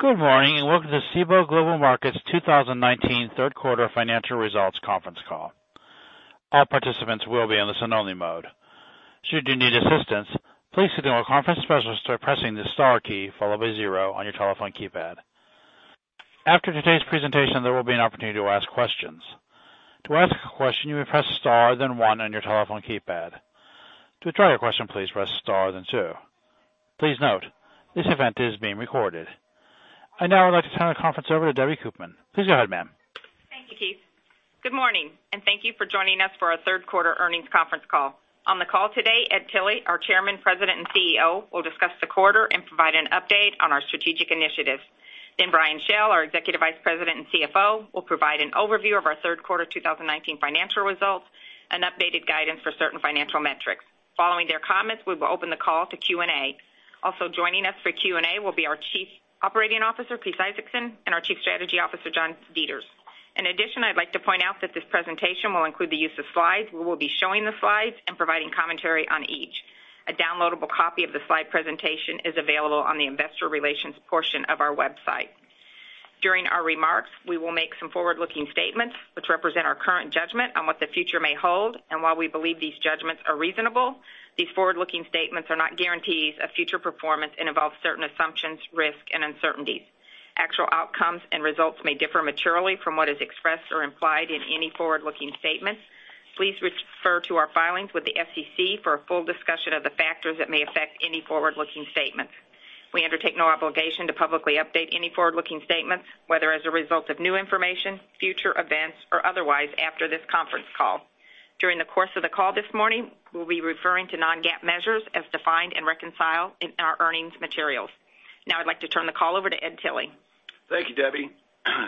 Good morning, welcome to Cboe Global Markets 2019 third quarter financial results conference call. All participants will be in listen only mode. Should you need assistance, please signal a conference specialist by pressing the star key followed by zero on your telephone keypad. After today's presentation, there will be an opportunity to ask questions. To ask a question, you may press star then one on your telephone keypad. To withdraw your question, please press star then two. Please note, this event is being recorded. I now would like to turn the conference over to Debbie Koopman. Please go ahead, ma'am. Thank you, Keith. Good morning. Thank you for joining us for our third quarter earnings conference call. On the call today, Ed Tilly, our chairman, president, and CEO will discuss the quarter and provide an update on our strategic initiatives. Brian Schell, our executive vice president and CFO, will provide an overview of our third quarter 2019 financial results and updated guidance for certain financial metrics. Following their comments, we will open the call to Q&A. Also joining us for Q&A will be our Chief Operating Officer, Chris Isaacson, and our Chief Strategy Officer, John Deters. In addition, I'd like to point out that this presentation will include the use of slides. We will be showing the slides and providing commentary on each. A downloadable copy of the slide presentation is available on the investor relations portion of our website. During our remarks, we will make some forward-looking statements which represent our current judgment on what the future may hold. While we believe these judgments are reasonable, these forward-looking statements are not guarantees of future performance and involve certain assumptions, risk, and uncertainties. Actual outcomes and results may differ materially from what is expressed or implied in any forward-looking statements. Please refer to our filings with the SEC for a full discussion of the factors that may affect any forward-looking statements. We undertake no obligation to publicly update any forward-looking statements, whether as a result of new information, future events, or otherwise after this conference call. During the course of the call this morning, we'll be referring to non-GAAP measures as defined and reconciled in our earnings materials. Now I'd like to turn the call over to Ed Tilly. Thank you, Debbie.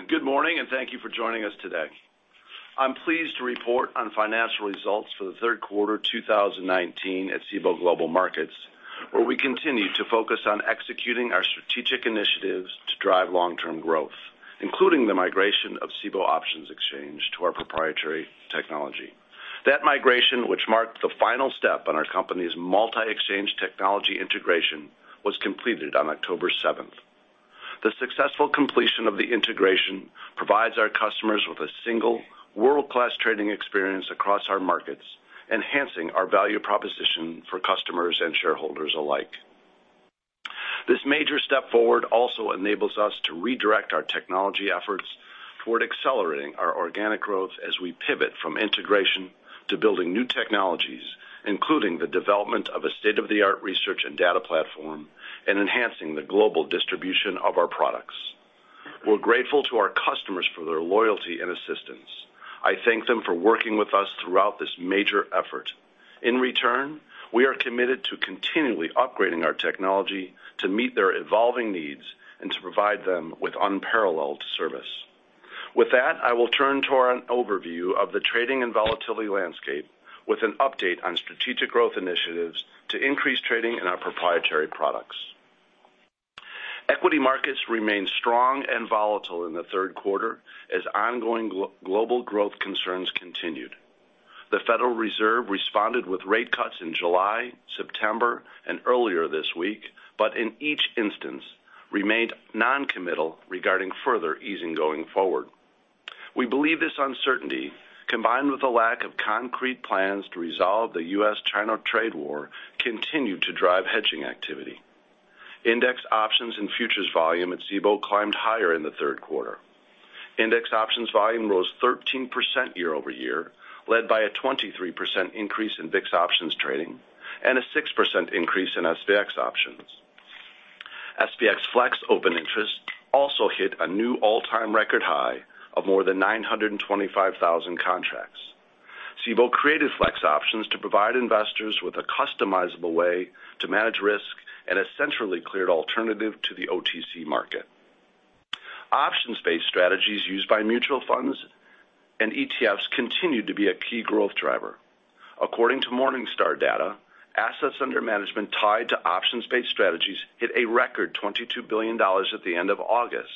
Good morning, and thank you for joining us today. I'm pleased to report on financial results for the third quarter 2019 at Cboe Global Markets, where we continue to focus on executing our strategic initiatives to drive long-term growth, including the migration of Cboe Options Exchange to our proprietary technology. That migration, which marked the final step on our company's multi-exchange technology integration, was completed on October seventh. The successful completion of the integration provides our customers with a single world-class trading experience across our markets, enhancing our value proposition for customers and shareholders alike. This major step forward also enables us to redirect our technology efforts toward accelerating our organic growth as we pivot from integration to building new technologies, including the development of a state-of-the-art research and data platform and enhancing the global distribution of our products. We're grateful to our customers for their loyalty and assistance. I thank them for working with us throughout this major effort. In return, we are committed to continually upgrading our technology to meet their evolving needs and to provide them with unparalleled service. With that, I will turn to our overview of the trading and volatility landscape with an update on strategic growth initiatives to increase trading in our proprietary products. Equity markets remained strong and volatile in the third quarter as ongoing global growth concerns continued. The Federal Reserve responded with rate cuts in July, September, and earlier this week. In each instance, remained non-committal regarding further easing going forward. We believe this uncertainty, combined with a lack of concrete plans to resolve the US-China trade war, continued to drive hedging activity. Index options and futures volume at Cboe climbed higher in the third quarter. Index options volume rose 13% year-over-year, led by a 23% increase in VIX options trading and a 6% increase in SPX options. SPX FLEX open interest also hit a new all-time record high of more than 925,000 contracts. Cboe created FLEX Options to provide investors with a customizable way to manage risk and a centrally cleared alternative to the OTC market. Options-based strategies used by mutual funds and ETFs continued to be a key growth driver. According to Morningstar data, assets under management tied to options-based strategies hit a record $22 billion at the end of August,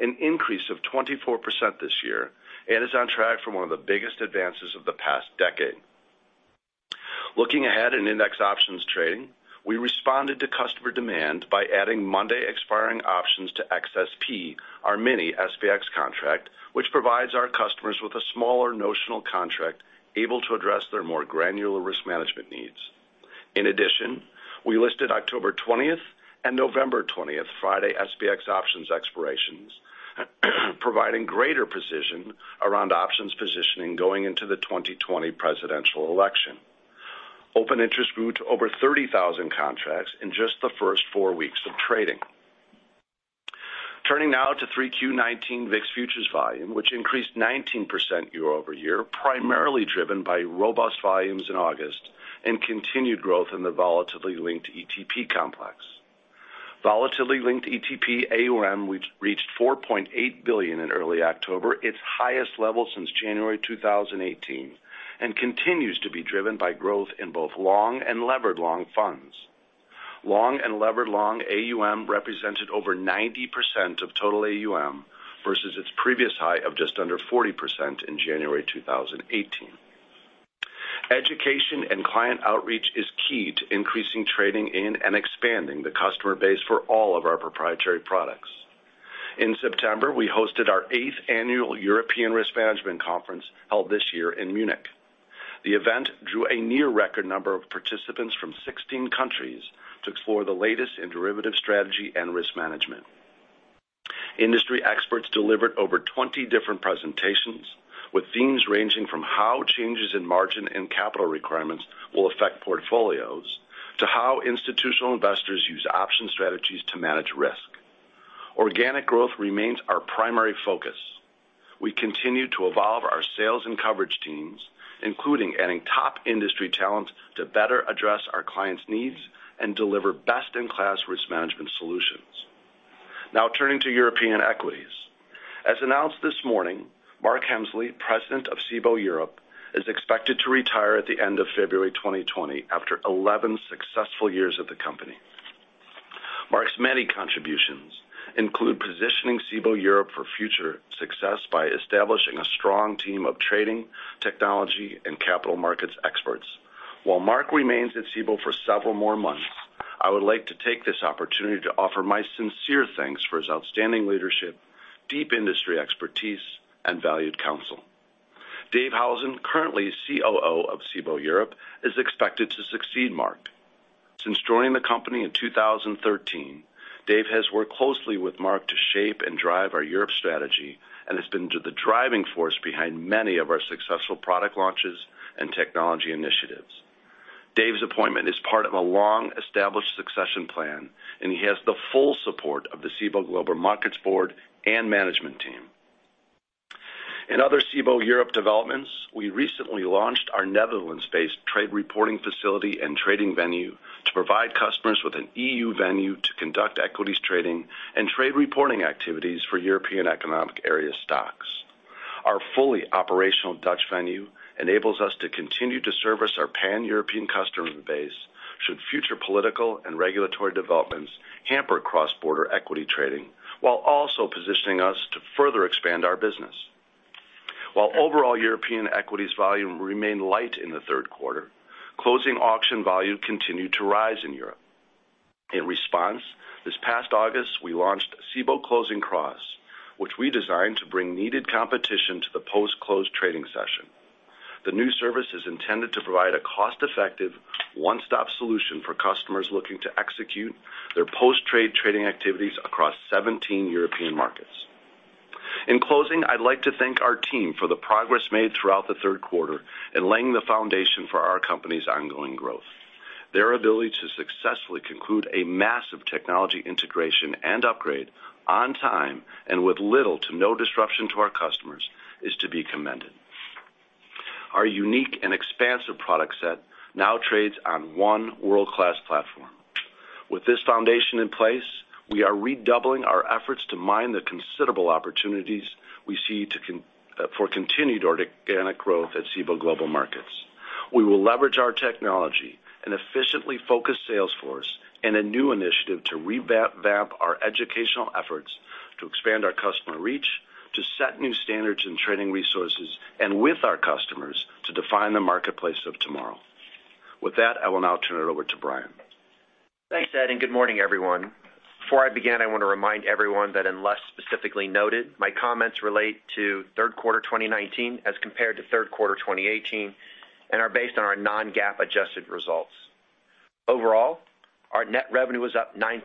an increase of 24% this year, and is on track for one of the biggest advances of the past decade. Looking ahead in index options trading, we responded to customer demand by adding Monday expiring options to XSP, our Mini-SPX contract, which provides our customers with a smaller notional contract able to address their more granular risk management needs. In addition, we listed October 20th and November 20th Friday SPX options expirations, providing greater precision around options positioning going into the 2020 presidential election. Open interest grew to over 30,000 contracts in just the first four weeks of trading. Turning now to Q3 2019 VIX futures volume, which increased 19% year-over-year, primarily driven by robust volumes in August and continued growth in the volatility-linked ETP complex. Volatility-linked ETP AUM reached $4.8 billion in early October, its highest level since January 2018, and continues to be driven by growth in both long and levered long funds. Long and levered long AUM represented over 90% of total AUM versus its previous high of just under 40% in January 2018. Education and client outreach is key to increasing trading in and expanding the customer base for all of our proprietary products. In September, we hosted our eighth annual European Risk Management Conference, held this year in Munich. The event drew a near record number of participants from 16 countries to explore the latest in derivative strategy and risk management. Industry experts delivered over 20 different presentations, with themes ranging from how changes in margin and capital requirements will affect portfolios, to how institutional investors use option strategies to manage risk. Organic growth remains our primary focus. We continue to evolve our sales and coverage teams, including adding top industry talent to better address our clients' needs and deliver best-in-class risk management solutions. Turning to European equities. As announced this morning, Mark Hemsley, President of Cboe Europe, is expected to retire at the end of February 2020 after 11 successful years at the company. Mark's many contributions include positioning Cboe Europe for future success by establishing a strong team of trading, technology, and capital markets experts. While Mark remains at Cboe for several more months, I would like to take this opportunity to offer my sincere thanks for his outstanding leadership, deep industry expertise, and valued counsel. Dave Howson, currently COO of Cboe Europe, is expected to succeed Mark. Since joining the company in 2013, Dave has worked closely with Mark to shape and drive our Europe strategy and has been the driving force behind many of our successful product launches and technology initiatives. Dave's appointment is part of a long-established succession plan, and he has the full support of the Cboe Global Markets board and management team. In other Cboe Europe developments, we recently launched our Netherlands-based trade reporting facility and trading venue to provide customers with an EU venue to conduct equities trading and trade reporting activities for European Economic Area stocks. Our fully operational Dutch venue enables us to continue to service our pan-European customer base should future political and regulatory developments hamper cross-border equity trading, while also positioning us to further expand our business. While overall European equities volume remained light in the third quarter, closing auction value continued to rise in Europe. In response, this past August, we launched Cboe Closing Cross, which we designed to bring needed competition to the post-close trading session. The new service is intended to provide a cost-effective, one-stop solution for customers looking to execute their post-trade trading activities across 17 European markets. In closing, I'd like to thank our team for the progress made throughout the third quarter in laying the foundation for our company's ongoing growth. Their ability to successfully conclude a massive technology integration and upgrade on time and with little to no disruption to our customers is to be commended. Our unique and expansive product set now trades on one world-class platform. With this foundation in place, we are redoubling our efforts to mine the considerable opportunities we see for continued organic growth at Cboe Global Markets. We will leverage our technology, an efficiently focused sales force, and a new initiative to revamp our educational efforts to expand our customer reach, to set new standards in trading resources, and with our customers to define the marketplace of tomorrow. With that, I will now turn it over to Brian. Thanks, Ed, and good morning, everyone. Before I begin, I want to remind everyone that unless specifically noted, my comments relate to third quarter 2019 as compared to third quarter 2018 and are based on our non-GAAP adjusted results. Overall, our net revenue was up 9%,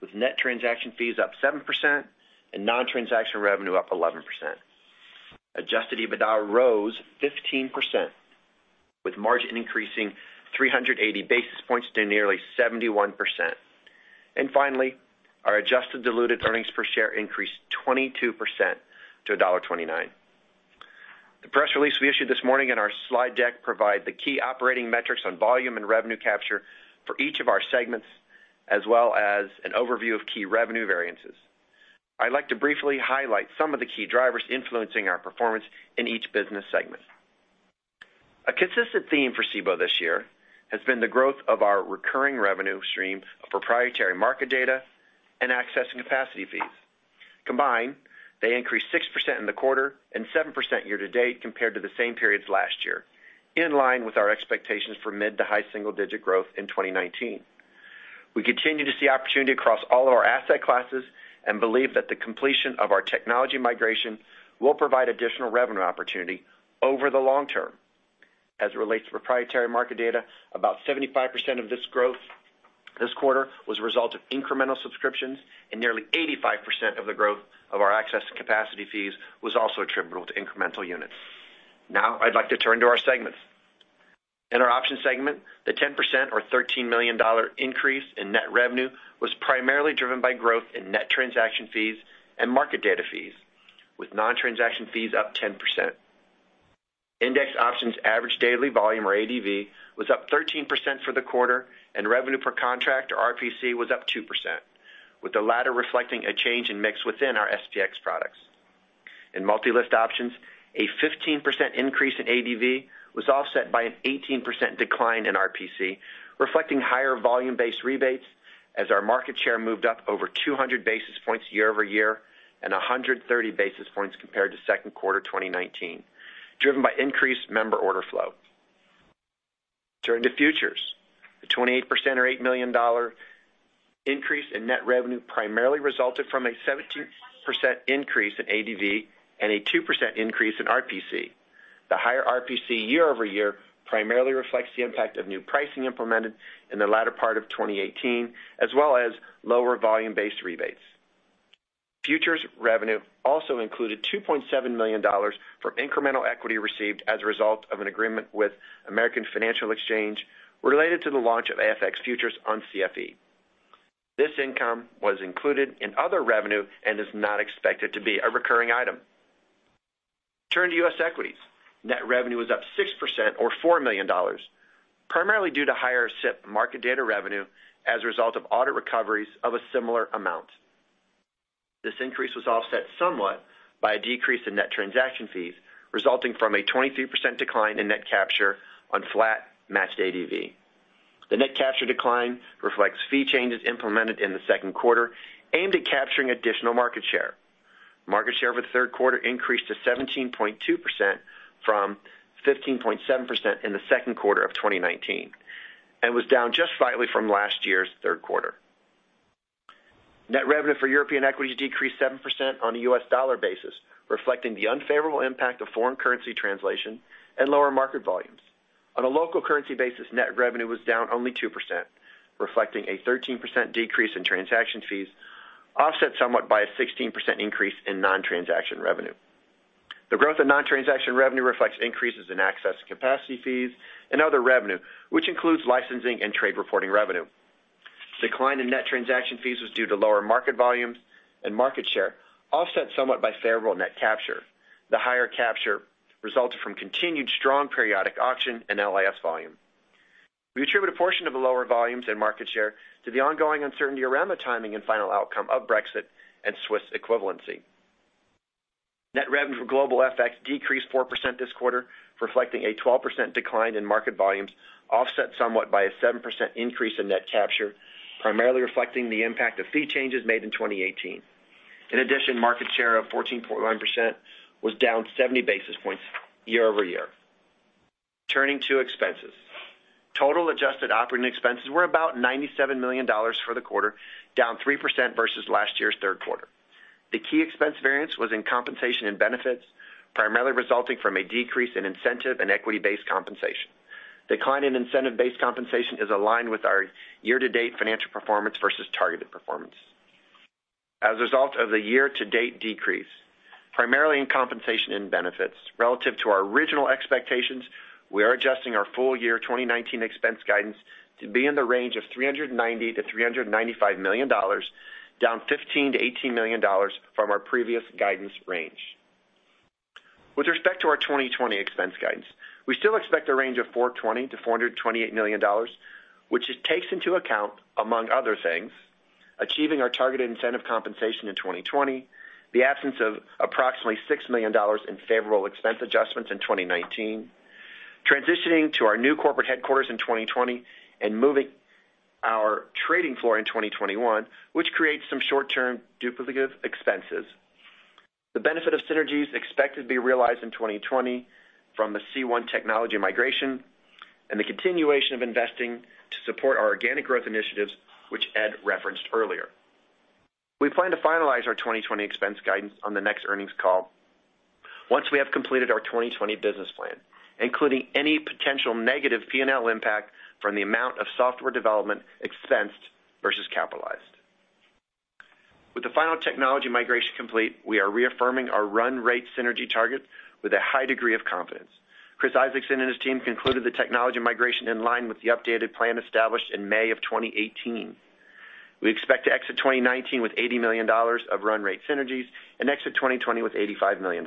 with net transaction fees up 7% and non-transaction revenue up 11%. Adjusted EBITDA rose 15%, with margin increasing 380 basis points to nearly 71%. Finally, our adjusted diluted earnings per share increased 22% to $1.29. The press release we issued this morning and our slide deck provide the key operating metrics on volume and revenue capture for each of our segments, as well as an overview of key revenue variances. I'd like to briefly highlight some of the key drivers influencing our performance in each business segment. A consistent theme for Cboe this year has been the growth of our recurring revenue stream of proprietary market data and access and capacity fees. Combined, they increased 6% in the quarter and 7% year-to-date compared to the same periods last year, in line with our expectations for mid to high single-digit growth in 2019. We continue to see opportunity across all of our asset classes and believe that the completion of our technology migration will provide additional revenue opportunity over the long term. As it relates to proprietary market data, about 75% of this growth this quarter was a result of incremental subscriptions, and nearly 85% of the growth of our access to capacity fees was also attributable to incremental units. I'd like to turn to our segments. In our option segment, the 10% or $13 million increase in net revenue was primarily driven by growth in net transaction fees and market data fees, with non-transaction fees up 10%. Index options average daily volume or ADV was up 13% for the quarter, and revenue per contract or RPC was up 2%, with the latter reflecting a change in mix within our SPX products. In multi-list options, a 15% increase in ADV was offset by an 18% decline in RPC, reflecting higher volume-based rebates. As our market share moved up over 200 basis points year over year and 130 basis points compared to second quarter 2019, driven by increased member order flow. Turning to Futures, the 28% or $8 million increase in net revenue primarily resulted from a 17% increase in ADV and a 2% increase in RPC. The higher RPC year-over-year primarily reflects the impact of new pricing implemented in the latter part of 2018, as well as lower volume-based rebates. Futures revenue also included $2.7 million from incremental equity received as a result of an agreement with American Financial Exchange related to the launch of AFX Futures on CFE. This income was included in other revenue and is not expected to be a recurring item. Turning to U.S. equities. Net revenue was up 6% or $4 million, primarily due to higher SIP market data revenue as a result of audit recoveries of a similar amount. This increase was offset somewhat by a decrease in net transaction fees, resulting from a 23% decline in net capture on flat matched ADV. The net capture decline reflects fee changes implemented in the second quarter aimed at capturing additional market share. Market share for the third quarter increased to 17.2% from 15.7% in the second quarter of 2019, and was down just slightly from last year's third quarter. Net revenue for European equities decreased 7% on a U.S. dollar basis, reflecting the unfavorable impact of foreign currency translation and lower market volumes. On a local currency basis, net revenue was down only 2%, reflecting a 13% decrease in transaction fees, offset somewhat by a 16% increase in non-transaction revenue. The growth of non-transaction revenue reflects increases in access capacity fees and other revenue, which includes licensing and trade reporting revenue. Decline in net transaction fees was due to lower market volumes and market share, offset somewhat by favorable net capture. The higher capture resulted from continued strong periodic auction and LIS volume. We attribute a portion of the lower volumes and market share to the ongoing uncertainty around the timing and final outcome of Brexit and Swiss equivalency. Net revenue for Global FX decreased 4% this quarter, reflecting a 12% decline in market volumes, offset somewhat by a 7% increase in net capture, primarily reflecting the impact of fee changes made in 2018. In addition, market share of 14.1% was down 70 basis points year-over-year. Turning to expenses. Total adjusted operating expenses were about $97 million for the quarter, down 3% versus last year's third quarter. The key expense variance was in compensation and benefits, primarily resulting from a decrease in incentive and equity-based compensation. Decline in incentive-based compensation is aligned with our year-to-date financial performance versus targeted performance. As a result of the year-to-date decrease, primarily in compensation and benefits relative to our original expectations, we are adjusting our full year 2019 expense guidance to be in the range of $390 million-$395 million, down $15 million-$18 million from our previous guidance range. With respect to our 2020 expense guidance, we still expect a range of $420 million-$428 million, which takes into account, among other things, achieving our targeted incentive compensation in 2020, the absence of approximately $6 million in favorable expense adjustments in 2019, transitioning to our new corporate headquarters in 2020 and moving our trading floor in 2021, which creates some short-term duplicative expenses. The benefit of synergies expected to be realized in 2020 from the C1 technology migration and the continuation of investing to support our organic growth initiatives, which Ed referenced earlier. We plan to finalize our 2020 expense guidance on the next earnings call once we have completed our 2020 business plan, including any potential negative P&L impact from the amount of software development expensed versus capitalized. With the final technology migration complete, we are reaffirming our run rate synergy target with a high degree of confidence. Chris Isaacson and his team concluded the technology migration in line with the updated plan established in May of 2018. We expect to exit 2019 with $80 million of run rate synergies and exit 2020 with $85 million.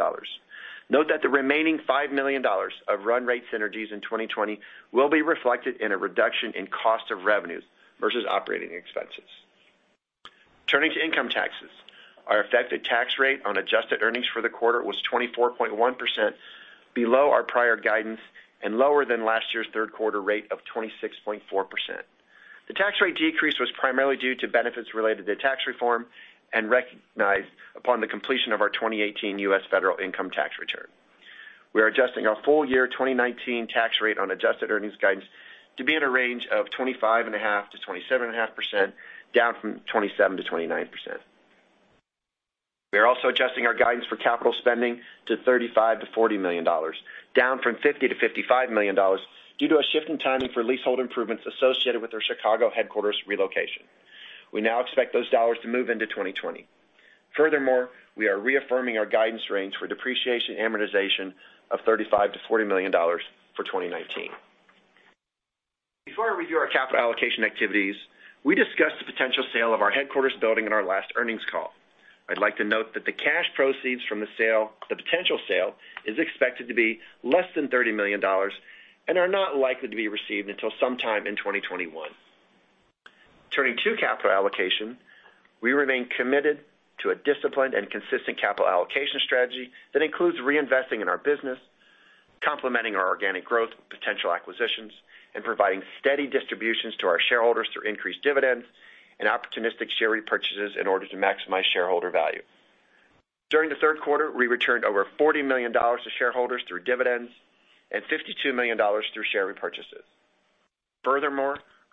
Note that the remaining $5 million of run rate synergies in 2020 will be reflected in a reduction in cost of revenues versus operating expenses. Turning to income taxes. Our effective tax rate on adjusted earnings for the quarter was 24.1% below our prior guidance and lower than last year's third quarter rate of 26.4%. The tax rate decrease was primarily due to benefits related to tax reform and recognized upon the completion of our 2018 U.S. federal income tax return. We are adjusting our full year 2019 tax rate on adjusted earnings guidance to be in a range of 25.5%-27.5%, down from 27%-29%. We are also adjusting our guidance for capital spending to $35 million-$40 million, down from $50 million-$55 million due to a shift in timing for leasehold improvements associated with our Chicago headquarters relocation. We now expect those dollars to move into 2020. We are reaffirming our guidance range for depreciation amortization of $35 million-$40 million for 2019. Before I review our capital allocation activities, we discussed the potential sale of our headquarters building in our last earnings call. I'd like to note that the cash proceeds from the potential sale is expected to be less than $30 million and are not likely to be received until sometime in 2021. Turning to capital allocation, we remain committed to a disciplined and consistent capital allocation strategy that includes reinvesting in our business, complementing our organic growth with potential acquisitions and providing steady distributions to our shareholders through increased dividends and opportunistic share repurchases in order to maximize shareholder value. During the third quarter, we returned over $40 million to shareholders through dividends and $52 million through share repurchases.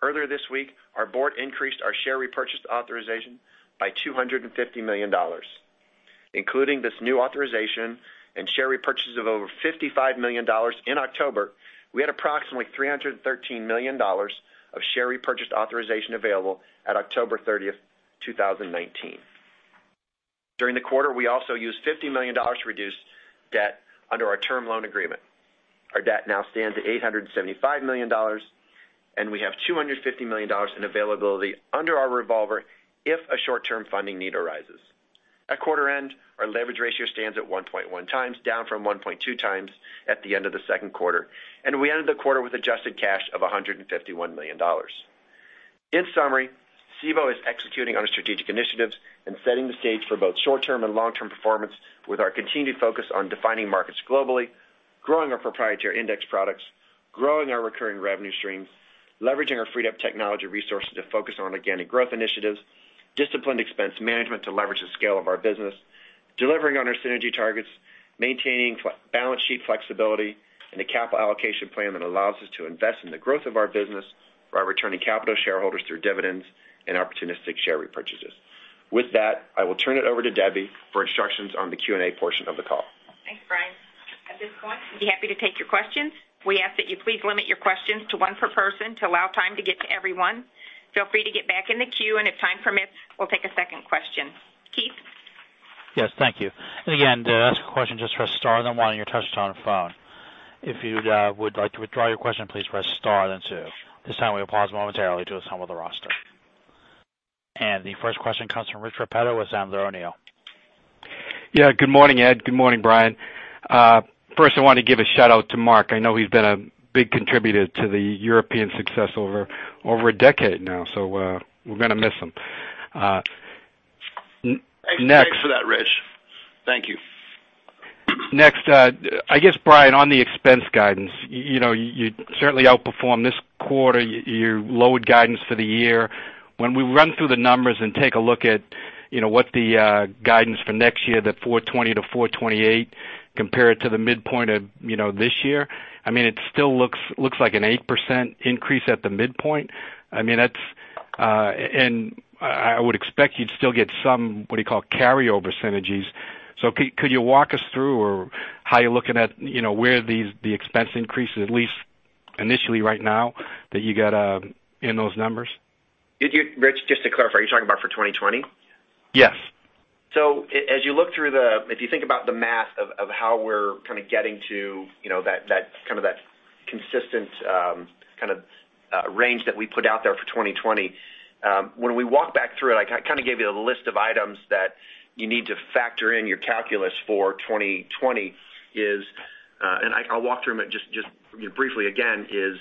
Earlier this week, our board increased our share repurchase authorization by $250 million. Including this new authorization and share repurchase of over $55 million in October, we had approximately $313 million of share repurchase authorization available at October 30th, 2019. During the quarter, we also used $50 million to reduce debt under our term loan agreement. Our debt now stands at $875 million, and we have $250 million in availability under our revolver if a short-term funding need arises. At quarter end, our leverage ratio stands at 1.1 times, down from 1.2 times at the end of the second quarter, and we ended the quarter with adjusted cash of $151 million. In summary, Cboe is executing on our strategic initiatives and setting the stage for both short-term and long-term performance with our continued focus on defining markets globally, growing our proprietary index products, growing our recurring revenue streams, leveraging our freed-up technology resources to focus on organic growth initiatives, disciplined expense management to leverage the scale of our business, delivering on our synergy targets, maintaining balance sheet flexibility, and a capital allocation plan that allows us to invest in the growth of our business while returning capital to shareholders through dividends and opportunistic share repurchases. With that, I will turn it over to Debbie for instructions on the Q&A portion of the call. Thanks, Brian. At this point, we'd be happy to take your questions. We ask that you please limit your questions to one per person to allow time to get to everyone. Feel free to get back in the queue, and if time permits, we'll take a second question. Keith? Yes, thank you. Again, to ask a question, just press star, then one on your touchtone phone. If you would like to withdraw your question, please press star, then two. At this time, we will pause momentarily to assemble the roster. The first question comes from Rich Repetto with Sandler O'Neill. Good morning, Ed. Good morning, Brian. First, I want to give a shout-out to Mark. I know he's been a big contributor to the European success over a decade now, so we're going to miss him. Thanks for that, Rich. Thank you. Next, I guess, Brian, on the expense guidance, you certainly outperformed this quarter. You lowered guidance for the year. When we run through the numbers and take a look at what the guidance for next year, the $420-$428, compare it to the midpoint of this year, it still looks like an 8% increase at the midpoint. I would expect you'd still get some, what do you call, carryover synergies. Could you walk us through, or how you're looking at where the expense increases, at least initially right now, that you got in those numbers? Rich, just to clarify, you're talking about for 2020? Yes. As you look through, if you think about the math of how we're kind of getting to that consistent range that we put out there for 2020. When we walk back through it, I kind of gave you the list of items that you need to factor in your calculus for 2020 is, and I'll walk through them just briefly again, is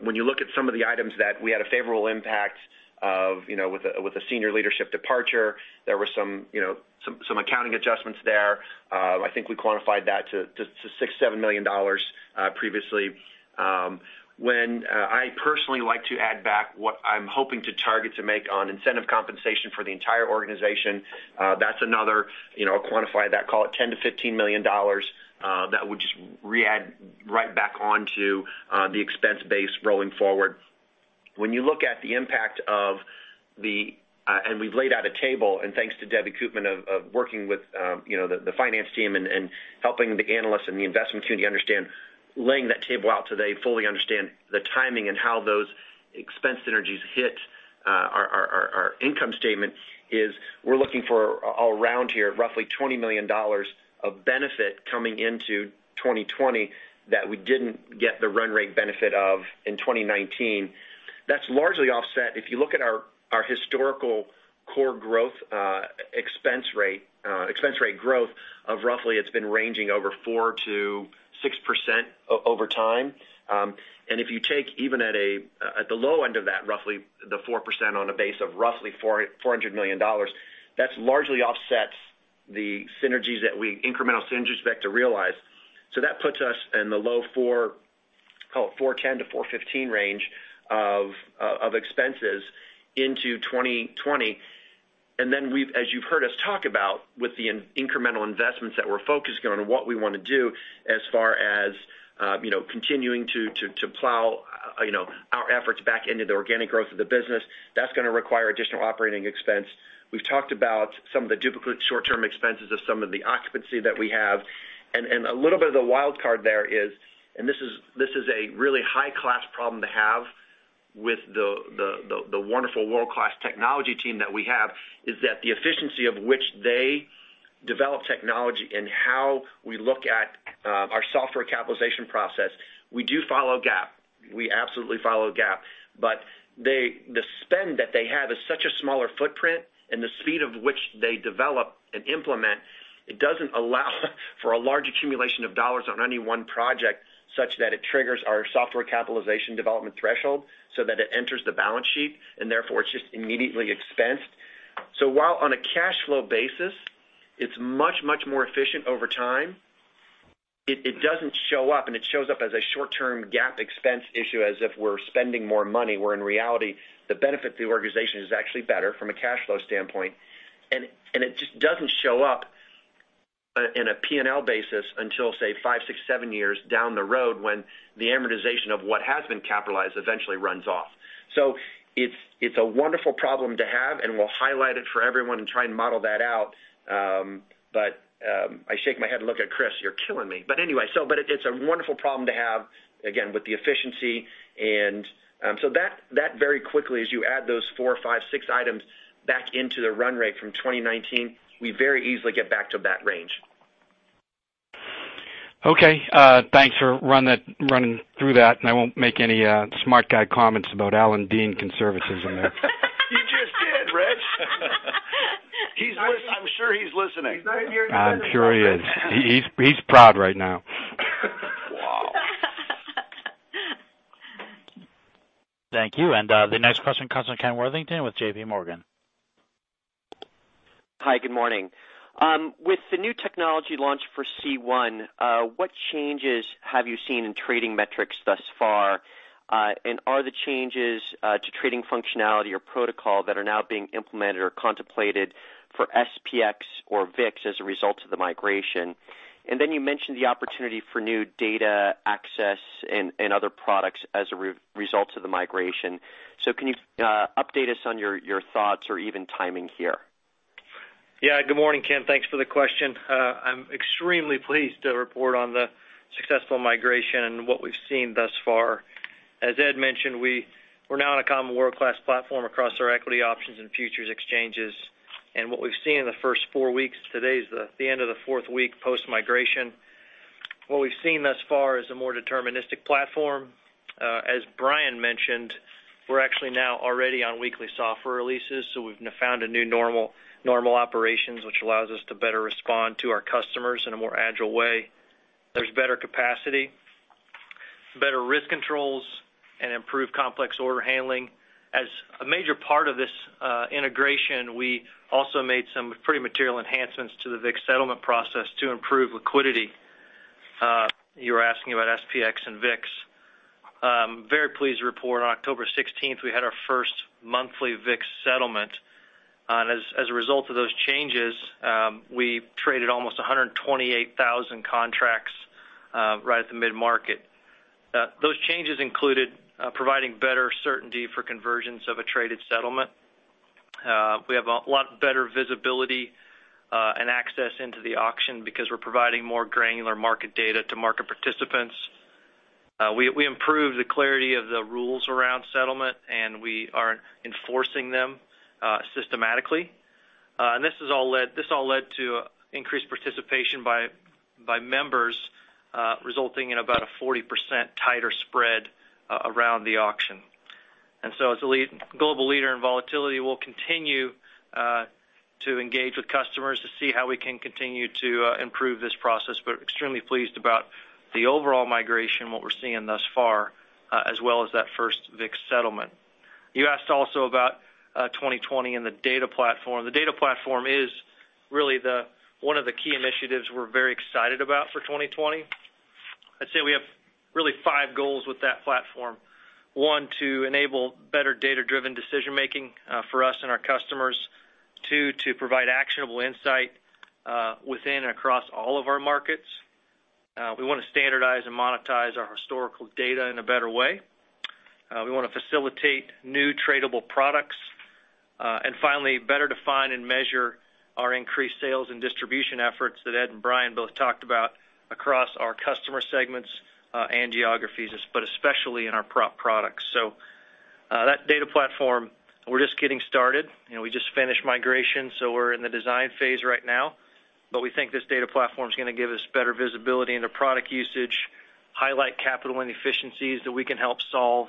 when you look at some of the items that we had a favorable impact of with a senior leadership departure. There were some accounting adjustments there. I think we quantified that to $67 million previously. When I personally like to add back what I'm hoping to target to make on incentive compensation for the entire organization, I'll quantify that, call it $10-$15 million. That would just re-add right back onto the expense base rolling forward. We've laid out a table, and thanks to Debbie Koopman of working with the finance team and helping the analysts and the investment community understand, laying that table out so they fully understand the timing and how those expense synergies hit our income statement is we're looking for around here roughly $20 million of benefit coming into 2020 that we didn't get the run rate benefit of in 2019. That's largely offset. If you look at our historical core growth expense rate growth of roughly, it's been ranging over 4%-6% over time. If you take even at the low end of that, roughly the 4% on a base of roughly $400 million, that largely offsets the incremental synergies we expect to realize. That puts us in the low $410-$415 range of expenses into 2020. As you've heard us talk about with the incremental investments that we're focusing on and what we want to do as far as continuing to plow our efforts back into the organic growth of the business, that's going to require additional operating expense. We've talked about some of the duplicate short-term expenses of some of the occupancy that we have. A little bit of the wild card there is, and this is a really high-class problem to have with the wonderful world-class technology team that we have, is that the efficiency of which they develop technology and how we look at our software capitalization process, we do follow GAAP. We absolutely follow GAAP. The spend that they have is such a smaller footprint, and the speed of which they develop and implement, it doesn't allow for a large accumulation of dollars on any one project such that it triggers our software capitalization development threshold so that it enters the balance sheet, and therefore, it's just immediately expensed. While on a cash flow basis, it's much more efficient over time, it doesn't show up, and it shows up as a short-term GAAP expense issue as if we're spending more money where in reality, the benefit to the organization is actually better from a cash flow standpoint. It just doesn't show up in a P&L basis until, say, five, six, seven years down the road when the amortization of what has been capitalized eventually runs off. It's a wonderful problem to have, and we'll highlight it for everyone and try and model that out. I shake my head and look at Chris, you're killing me. Anyway. It's a wonderful problem to have, again, with the efficiency. That very quickly as you add those four, five, six items back into the run rate from 2019, we very easily get back to that range. Okay. Thanks for running through that. I won't make any smart guy comments about Alan Dean conservatism there. You just did, Rich. I'm sure he's listening. I'm sure he is. He's proud right now. Wow. Thank you. The next question comes from Ken Worthington with J.P. Morgan. Hi, good morning. With the new technology launch for C1, what changes have you seen in trading metrics thus far? Are the changes to trading functionality or protocol that are now being implemented or contemplated for SPX or VIX as a result of the migration? You mentioned the opportunity for new data access and other products as a result of the migration. Can you update us on your thoughts or even timing here? Good morning, Ken. Thanks for the question. I'm extremely pleased to report on the successful migration and what we've seen thus far. As Ed mentioned, we're now on a common world-class platform across our equity options and futures exchanges. What we've seen in the first four weeks, today's the end of the fourth week post-migration. What we've seen thus far is a more deterministic platform. As Brian mentioned, we're actually now already on weekly software releases, we've found a new normal operations, which allows us to better respond to our customers in a more agile way. There's better capacity, better risk controls, and improved complex order handling. As a major part of this integration, we also made some pretty material enhancements to the VIX settlement process to improve liquidity. You were asking about SPX and VIX. Very pleased to report on October 16th, we had our first monthly VIX settlement. As a result of those changes, we traded almost 128,000 contracts right at the mid-market. Those changes included providing better certainty for conversions of a traded settlement. We have a lot better visibility and access into the auction because we're providing more granular market data to market participants. We improved the clarity of the rules around settlement. We are enforcing them systematically. This all led to increased participation by members, resulting in about a 40% tighter spread around the auction. As a global leader in volatility, we'll continue to engage with customers to see how we can continue to improve this process. Extremely pleased about the overall migration, what we're seeing thus far, as well as that first VIX settlement. You asked also about 2020 and the data platform. The data platform is really one of the key initiatives we're very excited about for 2020. I'd say we have really five goals with that platform. One, to enable better data-driven decision-making for us and our customers. Two, to provide actionable insight within and across all of our markets. We want to standardize and monetize our historical data in a better way. We want to facilitate new tradable products. Finally, better define and measure our increased sales and distribution efforts that Ed and Brian both talked about across our customer segments and geographies, but especially in our prop products. That data platform, we're just getting started. We just finished migration, we're in the design phase right now. We think this data platform is going to give us better visibility into product usage, highlight capital inefficiencies that we can help solve,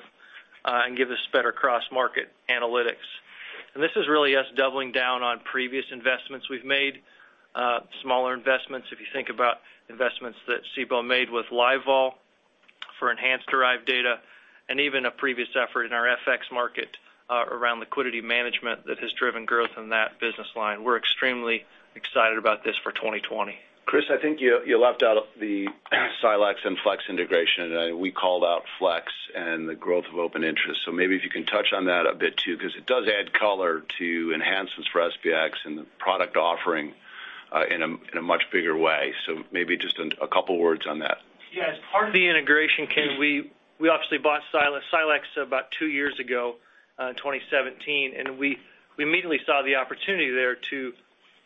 and give us better cross-market analytics. This is really us doubling down on previous investments we've made, smaller investments, if you think about investments that Cboe made with LiveVol for enhanced derived data, and even a previous effort in our FX market around liquidity management that has driven growth in that business line. We're extremely excited about this for 2020. Chris, I think you left out the Silexx and FLEX integration. We called out FLEX and the growth of open interest. Maybe if you can touch on that a bit too, because it does add color to enhancements for SPX and the product offering in a much bigger way. Maybe just a couple words on that. Yeah. As part of the integration, Ken, we obviously bought Silexx about two years ago in 2017. We immediately saw the opportunity there to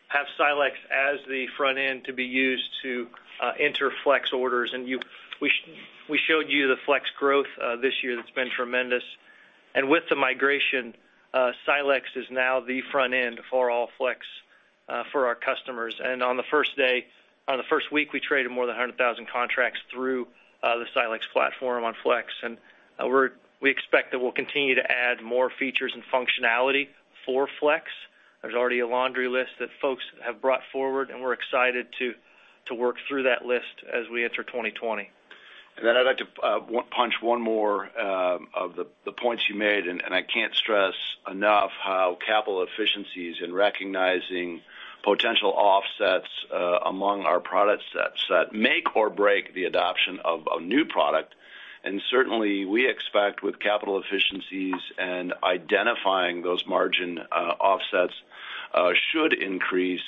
have Silexx as the front end to be used to enter FLEX orders. We showed you the FLEX growth this year that's been tremendous. With the migration, Silexx is now the front end for all FLEX for our customers. On the first week, we traded more than 100,000 contracts through the Silexx platform on FLEX. We expect that we'll continue to add more features and functionality for FLEX. There's already a laundry list that folks have brought forward. We're excited to work through that list as we enter 2020. Then I'd like to punch one more of the points you made, and I can't stress enough how capital efficiencies in recognizing potential offsets among our product sets that make or break the adoption of a new product. Certainly, we expect with capital efficiencies and identifying those margin offsets should increase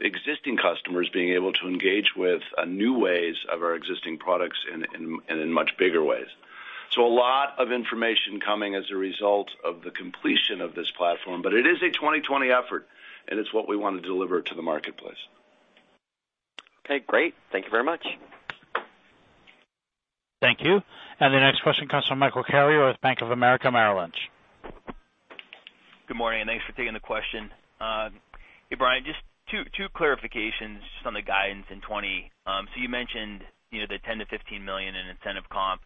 existing customers being able to engage with new ways of our existing products and in much bigger ways. A lot of information coming as a result of the completion of this platform, but it is a 2020 effort, and it's what we want to deliver to the marketplace. Okay, great. Thank you very much. Thank you. The next question comes from Michael Carrier with Bank of America Merrill Lynch. Good morning. Thanks for taking the question. Hey, Brian, just two clarifications just on the guidance in 2020. You mentioned the $10 million-$15 million in incentive comp.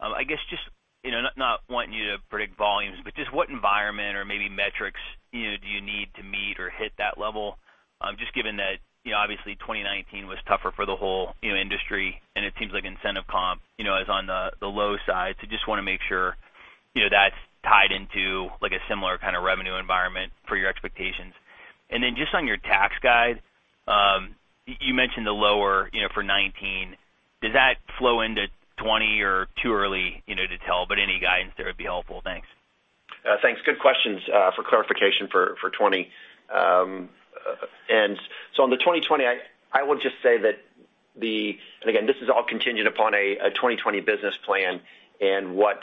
I guess, just not wanting you to predict volumes, but just what environment or maybe metrics do you need to meet or hit that level? Given that obviously 2019 was tougher for the whole industry, and it seems like incentive comp is on the low side. Just want to make sure that's tied into a similar kind of revenue environment for your expectations. Just on your tax guide, you mentioned the lower for 2019. Does that flow into 2020 or too early to tell? Any guidance there would be helpful. Thanks. Thanks. Good questions for clarification for 2020. On the 2020, I would just say that and again, this is all contingent upon a 2020 business plan and what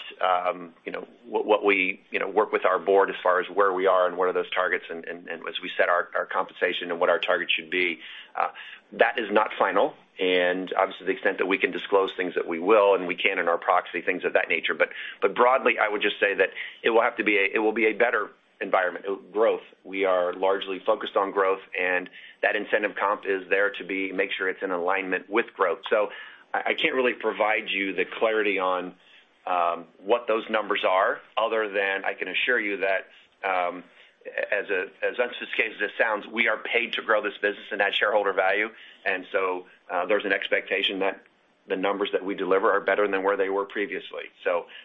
we work with our board as far as where we are and what are those targets and as we set our compensation and what our target should be. That is not final, and obviously, the extent that we can disclose things that we will and we can in our proxy, things of that nature. Broadly, I would just say that it will be a better environment. Growth. We are largely focused on growth, and that incentive comp is there to make sure it's in alignment with growth. I can't really provide you the clarity on what those numbers are other than I can assure you that, as unsophisticated as this sounds, we are paid to grow this business and add shareholder value. There's an expectation that the numbers that we deliver are better than where they were previously.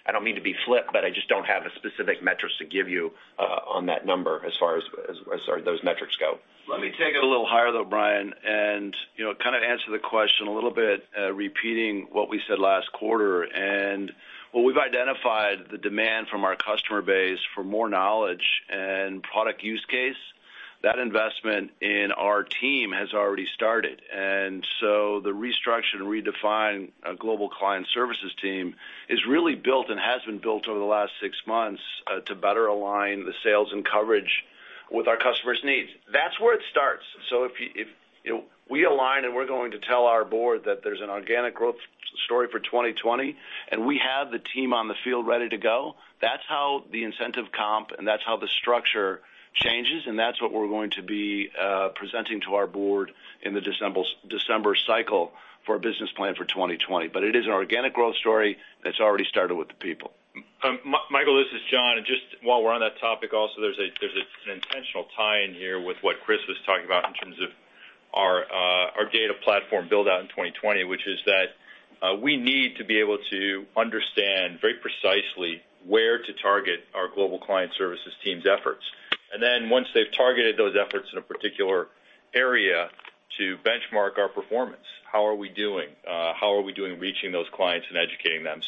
I don't mean to be flip, but I just don't have a specific metrics to give you on that number as far as those metrics go. Let me take it a little higher, though, Brian, and kind of answer the question a little bit, repeating what we said last quarter. What we've identified the demand from our customer base for more knowledge and product use case, that investment in our team has already started. The restructure and redefine Global Client Services team is really built and has been built over the last six months to better align the sales and coverage with our customers' needs. That's where it starts. If we align and we're going to tell our board that there's an organic growth story for 2020, and we have the team on the field ready to go, that's how the incentive comp, and that's how the structure changes. That's what we're going to be presenting to our board in the December cycle for a business plan for 2020. It is an organic growth story that's already started with the people. Michael, this is John. Just while we're on that topic also, there's an intentional tie-in here with what Chris was talking about in terms of our data platform build-out in 2020, which is that we need to be able to understand very precisely where to target our Global Client Services team's efforts. Once they've targeted those efforts in a particular area to benchmark our performance, how are we doing? How are we doing reaching those clients and educating them?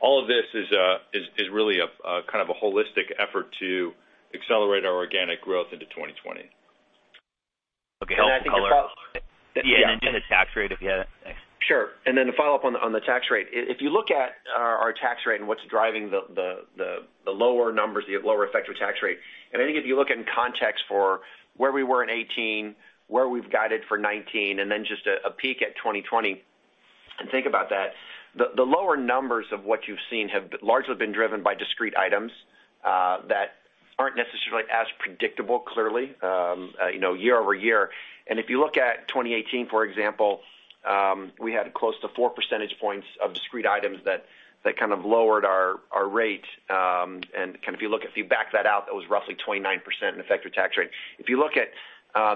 All of this is really a kind of a holistic effort to accelerate our organic growth into 2020. Okay. The tax rate, if you had it. Thanks. Sure. Then to follow up on the tax rate. If you look at our tax rate and what's driving the lower numbers, the lower effective tax rate. I think if you look in context for where we were in 2018, where we've guided for 2019, then just a peek at 2020, and think about that, the lower numbers of what you've seen have largely been driven by discrete items that aren't necessarily as predictable, clearly, year-over-year. If you look at 2018, for example, we had close to four percentage points of discrete items that kind of lowered our rate. If you back that out, that was roughly 29% in effective tax rate. If you look at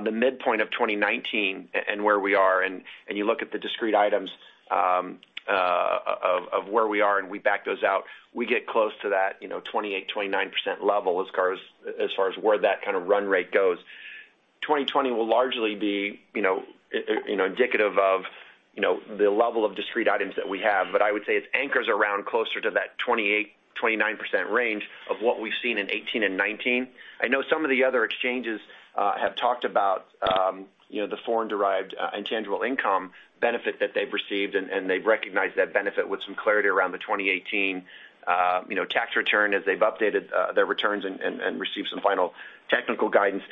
the midpoint of 2019 and where we are and you look at the discrete items of where we are and we back those out, we get close to that 28%, 29% level as far as where that kind of run rate goes. 2020 will largely be indicative of the level of discrete items that we have. I would say it anchors around closer to that 28%, 29% range of what we've seen in 2018 and 2019. I know some of the other exchanges have talked about the foreign derived intangible income benefit that they've received, and they've recognized that benefit with some clarity around the 2018 tax return as they've updated their returns and received some final technical guidance.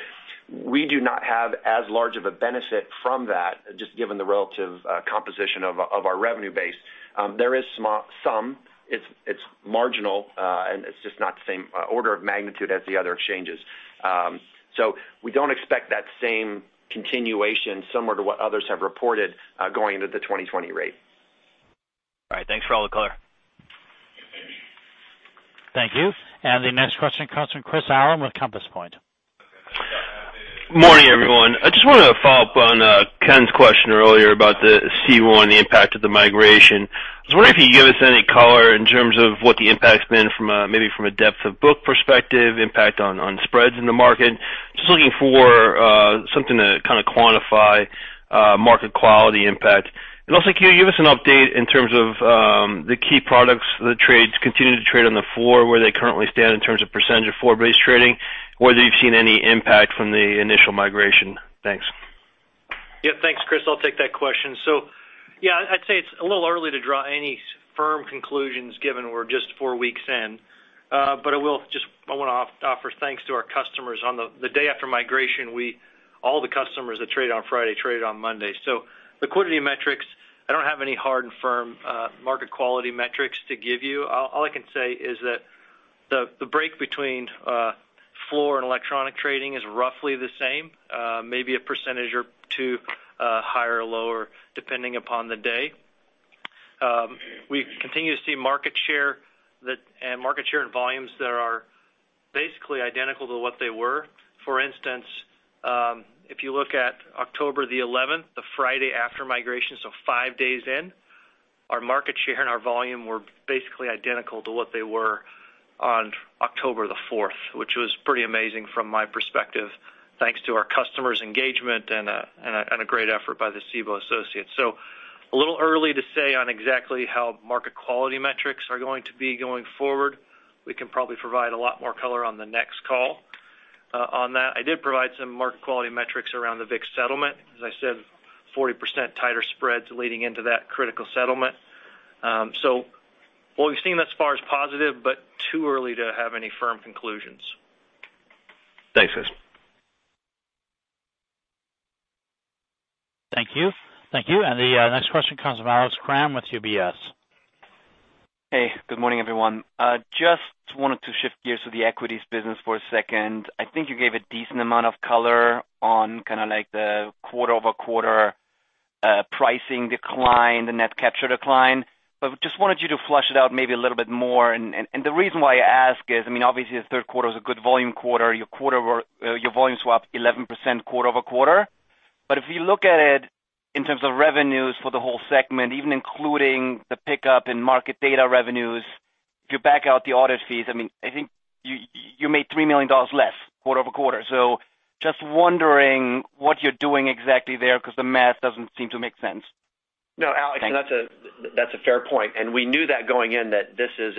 We do not have as large of a benefit from that, just given the relative composition of our revenue base. There is some. It's marginal. It's just not the same order of magnitude as the other exchanges. We don't expect that same continuation similar to what others have reported going into the 2020 rate. All right. Thanks for all the color. The next question comes from Chris Allen with Compass Point. Morning, everyone. I just want to follow up on Ken's question earlier about the C1, the impact of the migration. I was wondering if you could give us any color in terms of what the impact's been from a maybe depth of book perspective, impact on spreads in the market. Just looking for something to kind of quantify market quality impact. Also, can you give us an update in terms of the key products for the trades continue to trade on the floor, where they currently stand in terms of % of floor-based trading, whether you've seen any impact from the initial migration. Thanks. Yeah, thanks, Chris. I'll take that question. Yeah, I'd say it's a little early to draw any firm conclusions given we're just four weeks in. I want to offer thanks to our customers. On the day after migration, all the customers that traded on Friday traded on Monday. Liquidity metrics, I don't have any hard and firm market quality metrics to give you. All I can say is that the break between floor and electronic trading is roughly the same, maybe a percentage or two, higher or lower, depending upon the day. We continue to see market share and volumes that are basically identical to what they were. For instance, if you look at October the 11th, the Friday after migration, so five days in, our market share and our volume were basically identical to what they were on October the 4th, which was pretty amazing from my perspective, thanks to our customers' engagement and a great effort by the Cboe associate. A little early to say on exactly how market quality metrics are going to be going forward. We can probably provide a lot more color on the next call on that. I did provide some market quality metrics around the VIX settlement. As I said, 40% tighter spreads leading into that critical settlement. What we've seen thus far is positive, but too early to have any firm conclusions. Thanks. Thank you. The next question comes from Alex Kramm with UBS. Hey, good morning, everyone. Just wanted to shift gears to the equities business for a second. I think you gave a decent amount of color on kind of like the quarter-over-quarter pricing decline, the net capture decline. Just wanted you to flesh it out maybe a little bit more. The reason why I ask is, obviously, the third quarter is a good volume quarter. Your volume swapped 11% quarter-over-quarter. If you look at it in terms of revenues for the whole segment, even including the pickup in market data revenues, if you back out the audit fees, I think you made $3 million less quarter-over-quarter. Just wondering what you're doing exactly there because the math doesn't seem to make sense. No, Alex, that's a fair point. We knew that going in, that this is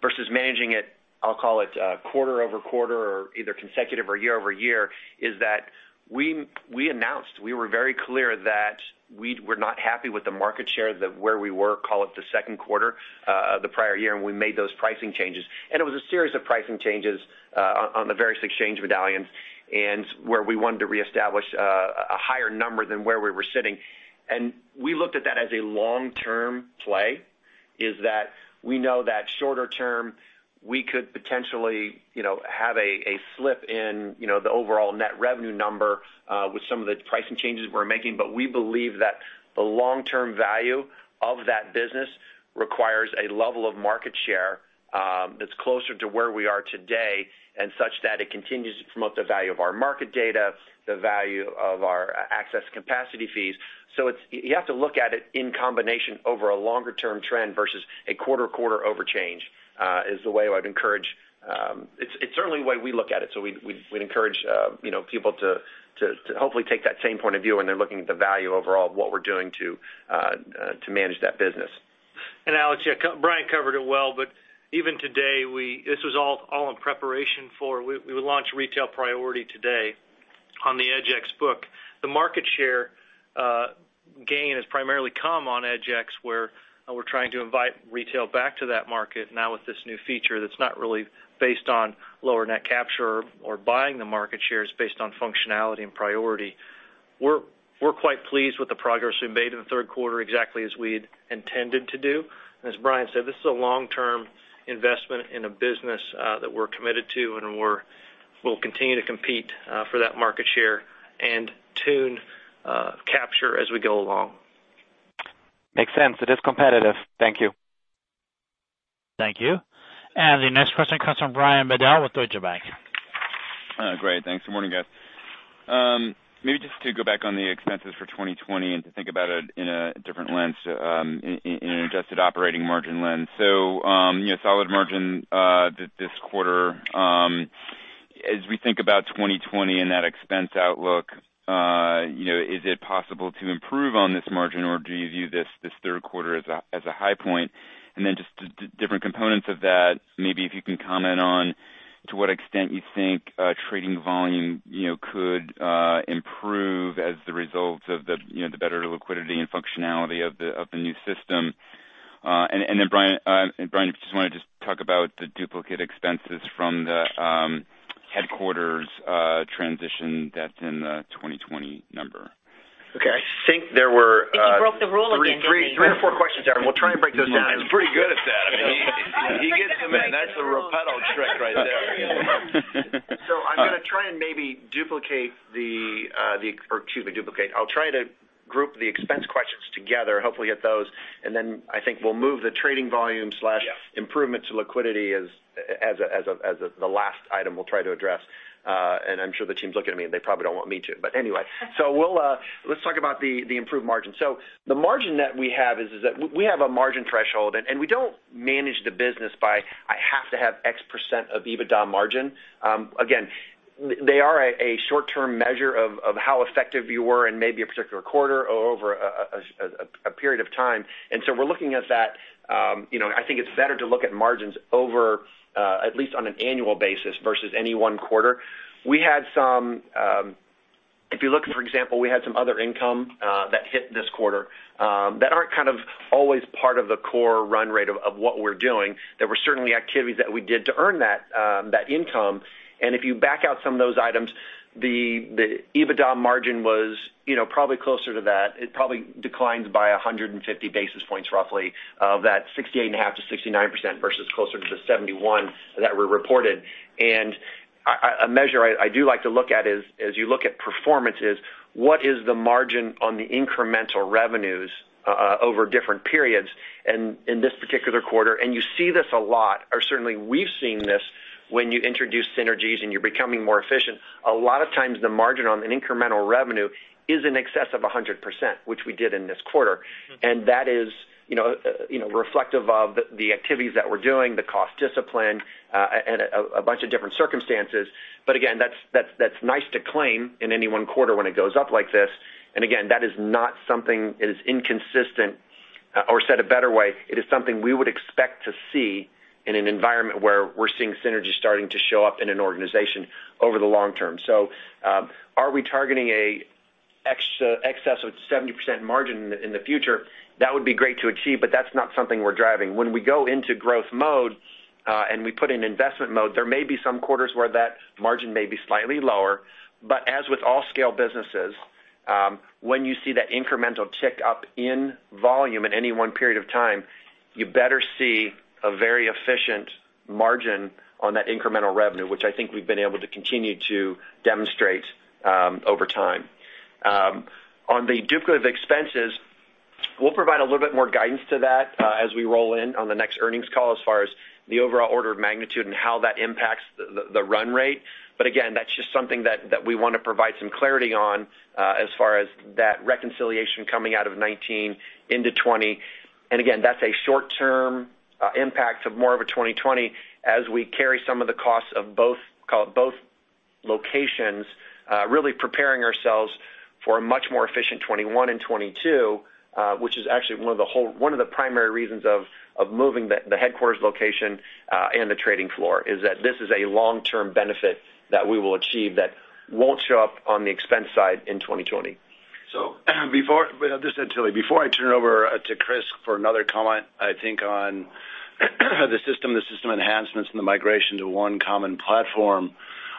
versus managing it, I'll call it, quarter-over-quarter or either consecutive or year-over-year, is that we announced, we were very clear that we were not happy with the market share, that where we were, call it the second quarter of the prior year, and we made those pricing changes. It was a series of pricing changes on the various exchange medallions and where we wanted to reestablish a higher number than where we were sitting. We looked at that as a long-term play, is that we know that shorter term, we could potentially have a slip in the overall net revenue number with some of the pricing changes we're making. We believe that the long-term value of that business requires a level of market share that's closer to where we are today, and such that it continues to promote the value of our market data, the value of our access capacity fees. You have to look at it in combination over a longer-term trend versus a quarter-over-quarter change, is the way I'd encourage. It's certainly the way we look at it. We'd encourage people to hopefully take that same point of view when they're looking at the value overall of what we're doing to manage that business. Alex, yeah, Brian covered it well, but even today, this was all in preparation. We would launch Retail Priority today on the EDGX book. The market share gain has primarily come on EDGX, where we're trying to invite retail back to that market now with this new feature that's not really based on lower net capture or buying the market shares based on functionality and priority. We're quite pleased with the progress we've made in the third quarter, exactly as we'd intended to do. As Brian said, this is a long-term investment in a business that we're committed to, and we'll continue to compete for that market share and tune capture as we go along. Makes sense. It is competitive. Thank you. Thank you. The next question comes from Brian Bedell with Deutsche Bank. Great. Thanks. Good morning, guys. Maybe just to go back on the expenses for 2020 and to think about it in a different lens, in an adjusted operating margin lens. Solid margin this quarter. As we think about 2020 and that expense outlook, is it possible to improve on this margin, or do you view this third quarter as a high point? Just different components of that, maybe if you can comment on to what extent you think trading volume could improve as the result of the better liquidity and functionality of the new system. Brian, if you just want to just talk about the duplicate expenses from the headquarters transition that's in the 2020 number. Okay. I think you broke the rule again, Brian. three to four questions there, and we'll try and break those down. He's pretty good at that. He gets them in. That's a Repetto trick right there. I'll try to group the expense questions together, hopefully get those. Then I think we'll move the trading volume/improvement to liquidity as the last item we'll try to address. I'm sure the team's looking at me, and they probably don't want me to. Anyway. Let's talk about the improved margin. The margin that we have is that we have a margin threshold, and we don't manage the business by, "I have to have X% of EBITDA margin." Again, they are a short-term measure of how effective you were in maybe a particular quarter or over a period of time. We're looking at that. I think it's better to look at margins over at least on an annual basis versus any one quarter. If you look, for example, we had some other income that hit this quarter that aren't kind of always part of the core run rate of what we're doing. There were certainly activities that we did to earn that income. If you back out some of those items, the EBITDA margin was probably closer to that. It probably declines by 150 basis points, roughly, of that 68.5%-69% versus closer to the 71% that were reported. A measure I do like to look at is, as you look at performance, is what is the margin on the incremental revenues over different periods and in this particular quarter, and you see this a lot, or certainly we've seen this when you introduce synergies and you're becoming more efficient. A lot of times the margin on an incremental revenue is in excess of 100%, which we did in this quarter. That is reflective of the activities that we're doing, the cost discipline, and a bunch of different circumstances. Again, that's nice to claim in any one quarter when it goes up like this. Again, that is not something that is inconsistent, or said a better way, it is something we would expect to see in an environment where we're seeing synergies starting to show up in an organization over the long term. Are we targeting excess of 70% margin in the future? That would be great to achieve, but that's not something we're driving. When we go into growth mode, and we put in investment mode, there may be some quarters where that margin may be slightly lower, but as with all scale businesses, when you see that incremental tick up in volume in any one period of time, you better see a very efficient margin on that incremental revenue, which I think we've been able to continue to demonstrate over time. On the duplicate of expenses, we'll provide a little bit more guidance to that as we roll in on the next earnings call as far as the overall order of magnitude and how that impacts the run rate. Again, that's just something that we want to provide some clarity on, as far as that reconciliation coming out of 2019 into 2020. Again, that's a short-term impact of more of a 2020 as we carry some of the costs of both locations, really preparing ourselves for a much more efficient 2021 and 2022, which is actually one of the primary reasons of moving the headquarters location and the trading floor, is that this is a long-term benefit that we will achieve that won't show up on the expense side in 2020. Just until, before I turn it over to Chris for another comment, I think on the system, the system enhancements, and the migration to one common platform,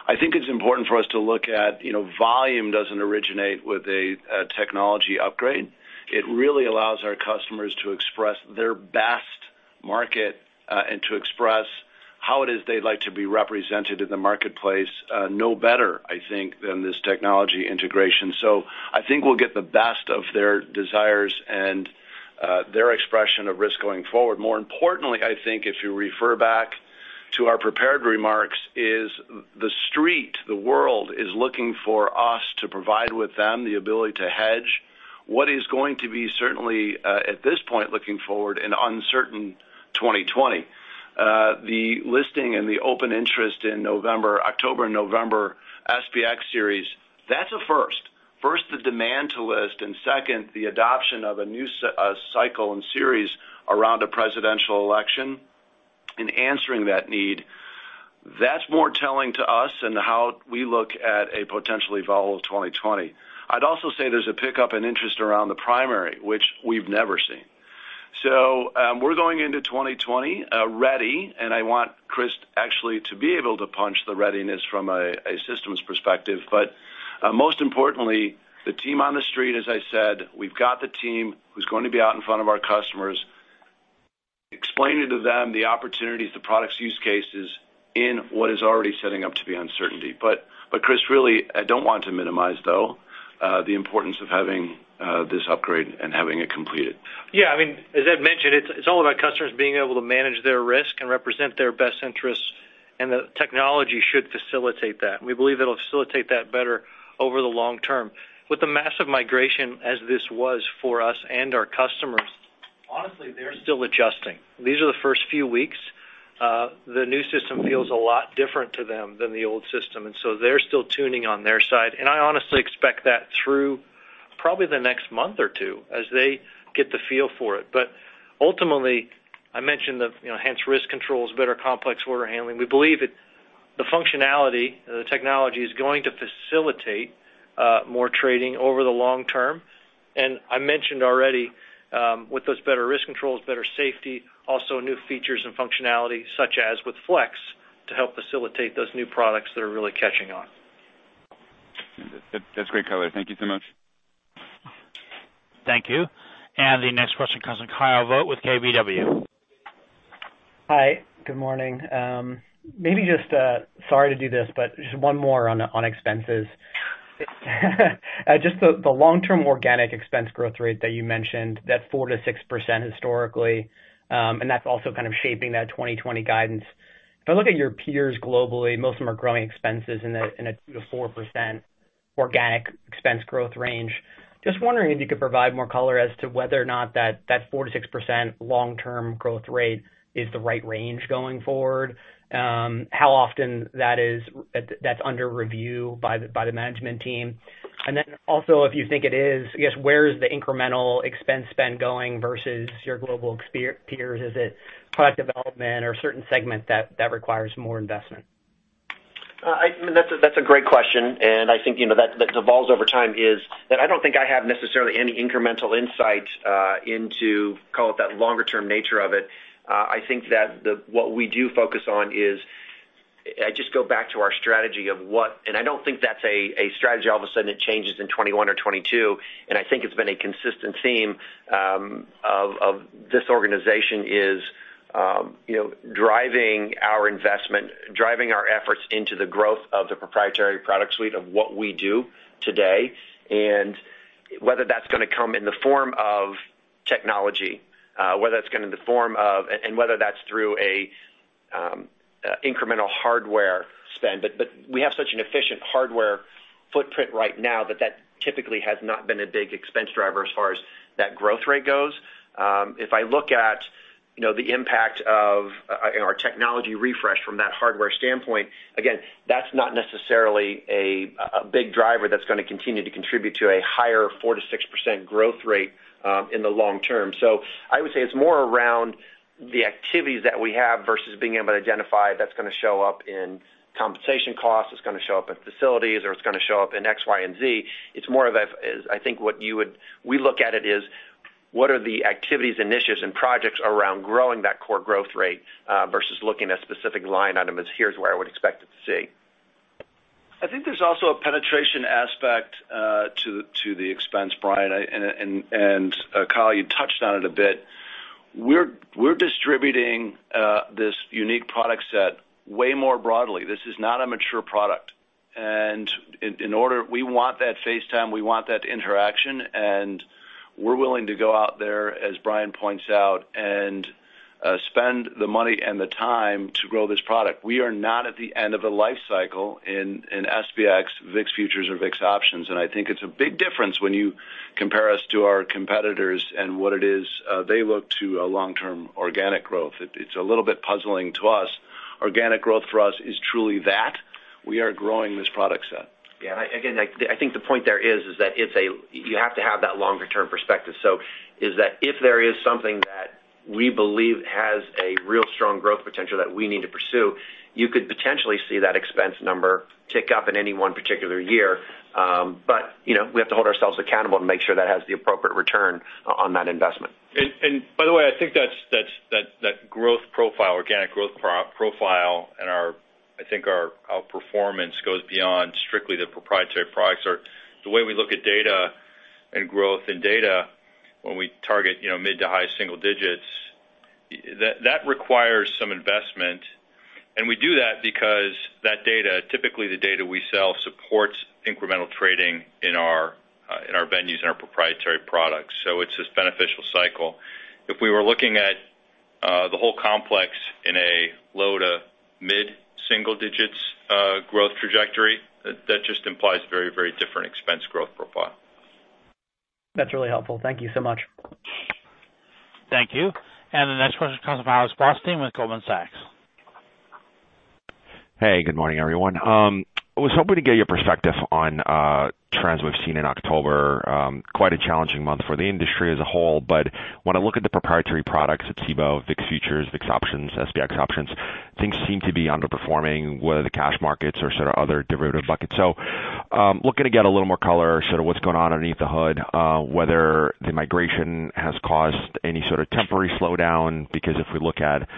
I think it's important for us to look at volume doesn't originate with a technology upgrade. It really allows our customers to express their best market and to express how it is they'd like to be represented in the marketplace no better, I think, than this technology integration. I think we'll get the best of their desires and their expression of risk going forward. More importantly, I think if you refer back to our prepared remarks, is the street, the world is looking for us to provide with them the ability to hedge what is going to be certainly, at this point looking forward, an uncertain 2020. The listing and the open interest in October, November SPX series, that's a first. First, the demand to list. Second, the adoption of a new cycle and series around a presidential election. In answering that need, that's more telling to us and how we look at a potentially volatile 2020. I'd also say there's a pickup in interest around the primary, which we've never seen. We're going into 2020 ready, and I want Chris actually to be able to punch the readiness from a systems perspective. Most importantly, the team on the street, as I said, we've got the team who's going to be out in front of our customers, explaining to them the opportunities, the products use cases in what is already setting up to be uncertainty. Chris, really, I don't want to minimize, though, the importance of having this upgrade and having it completed. Yeah, as Ed mentioned, it is all about customers being able to manage their risk and represent their best interests, and the technology should facilitate that, and we believe it will facilitate that better over the long term. With the massive migration as this was for us and our customers, honestly, they are still adjusting. These are the first few weeks. The new system feels a lot different to them than the old system, and so they are still tuning on their side. I honestly expect that through probably the next month or two as they get the feel for it. Ultimately, I mentioned the enhanced risk controls, better complex order handling. We believe that the functionality, the technology is going to facilitate more trading over the long term. I mentioned already, with those better risk controls, better safety, also new features and functionality such as with FLEX to help facilitate those new products that are really catching on. That's great color. Thank you so much. Thank you. The next question comes from Kyle Voigt with KBW. Hi, good morning. Sorry to do this, just one more on expenses. The long-term organic expense growth rate that you mentioned, that 4%-6% historically, that's also kind of shaping that 2020 guidance. If I look at your peers globally, most of them are growing expenses in a 2%-4% organic expense growth range. Wondering if you could provide more color as to whether or not that 4%-6% long-term growth rate is the right range going forward. How often that's under review by the management team, if you think it is, I guess, where is the incremental expense spend going versus your global peers? Is it product development or a certain segment that requires more investment? That's a great question. I think that devolves over time is that I don't think I have necessarily any incremental insight into, call it that longer-term nature of it. I think that what we do focus on is I just go back to our strategy. I don't think that's a strategy all of a sudden it changes in 2021 or 2022. I think it's been a consistent theme of this organization is driving our investment, driving our efforts into the growth of the proprietary product suite of what we do today. Whether that's going to come in the form of technology, whether that's through an incremental hardware spend. We have such an efficient hardware footprint right now that typically has not been a big expense driver as far as that growth rate goes. If I look at the impact of our technology refresh from that hardware standpoint, again, that's not necessarily a big driver that's going to continue to contribute to a higher 4%-6% growth rate in the long term. I would say it's more around the activities that we have versus being able to identify that's going to show up in compensation costs, it's going to show up at facilities, or it's going to show up in X, Y, and Z. I think what we look at it is, what are the activities, initiatives, and projects around growing that core growth rate, versus looking at specific line item as here's where I would expect it to see. I think there's also a penetration aspect to the expense, Brian, and Kyle, you touched on it a bit. We're distributing this unique product set way more broadly. This is not a mature product. We want that face time, we want that interaction, and we're willing to go out there, as Brian points out, and spend the money and the time to grow this product. We are not at the end of a life cycle in SPX, VIX Futures or VIX Options, and I think it's a big difference when you compare us to our competitors and what it is they look to a long-term organic growth. It's a little bit puzzling to us. Organic growth for us is truly that. We are growing this product set. Yeah, again, I think the point there is that you have to have that longer-term perspective. Is that if there is something that we believe has a real strong growth potential that we need to pursue, you could potentially see that expense number tick up in any one particular year. We have to hold ourselves accountable and make sure that has the appropriate return on that investment. By the way, I think that growth profile, organic growth profile, and I think our outperformance goes beyond strictly the proprietary products. The way we look at data and growth in data when we target mid to high single digits, that requires some investment. We do that because that data, typically the data we sell, supports incremental trading in our venues and our proprietary products. It's this beneficial cycle. If we were looking at the whole complex in a low to mid single digits growth trajectory, that just implies very different expense growth profile. That's really helpful. Thank you so much. Thank you. The next question comes from Alex Blostein with Goldman Sachs. Hey, good morning, everyone. I was hoping to get your perspective on trends we've seen in October. Quite a challenging month for the industry as a whole, but when I look at the proprietary products at Cboe, VIX Futures, VIX Options, SPX Options, things seem to be underperforming, whether the cash markets or sort of other derivative buckets. Looking to get a little more color, sort of what's going on underneath the hood, whether the migration has caused any sort of temporary slowdown. If we look at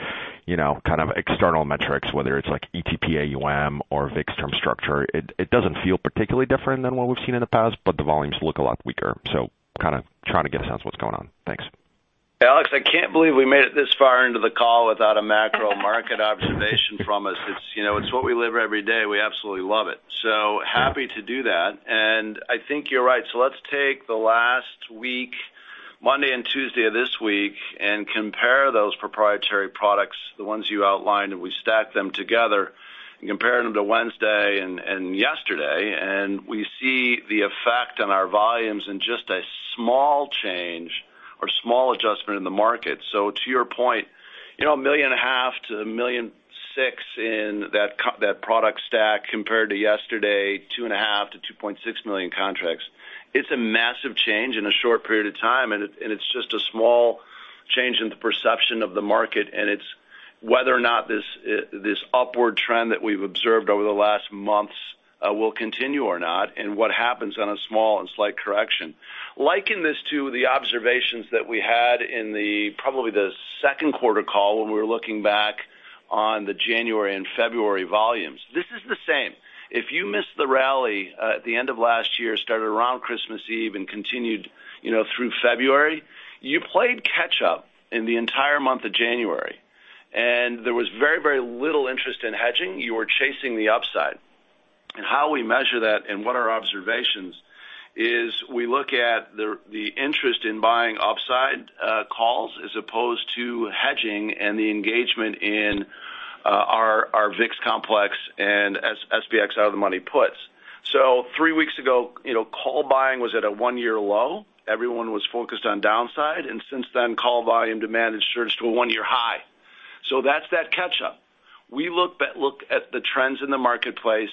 kind of external metrics, whether it's like ETP AUM or VIX term structure, it doesn't feel particularly different than what we've seen in the past, but the volumes look a lot weaker. Kind of trying to get a sense of what's going on. Thanks. Alex, I can't believe we made it this far into the call without a macro market observation from us. It's what we live every day. We absolutely love it. Happy to do that. I think you're right. Let's take the last week, Monday and Tuesday of this week, and compare those proprietary products, the ones you outlined, and we stack them together and compare them to Wednesday and yesterday. We see the effect on our volumes in just a small change or small adjustment in the market. To your point, 1.5 million-1.6 million in that product stack compared to yesterday, 2.5 million-2.6 million contracts. It's a massive change in a short period of time, and it's just a small change in the perception of the market. It's whether or not this upward trend that we've observed over the last months will continue or not and what happens on a small and slight correction. Liken this to the observations that we had in probably the second quarter call when we were looking back on the January and February volumes. This is the same. If you missed the rally at the end of last year, started around Christmas Eve and continued through February, you played catch up in the entire month of January, and there was very little interest in hedging. You were chasing the upside. How we measure that and what our observations is, we look at the interest in buying upside calls as opposed to hedging and the engagement in our VIX complex and as SPX out-of-the-money puts. Three weeks ago, call buying was at a one-year low. Everyone was focused on downside, and since then, call volume demand has surged to a one-year high. That's that catch-up. We look at the trends in the marketplace,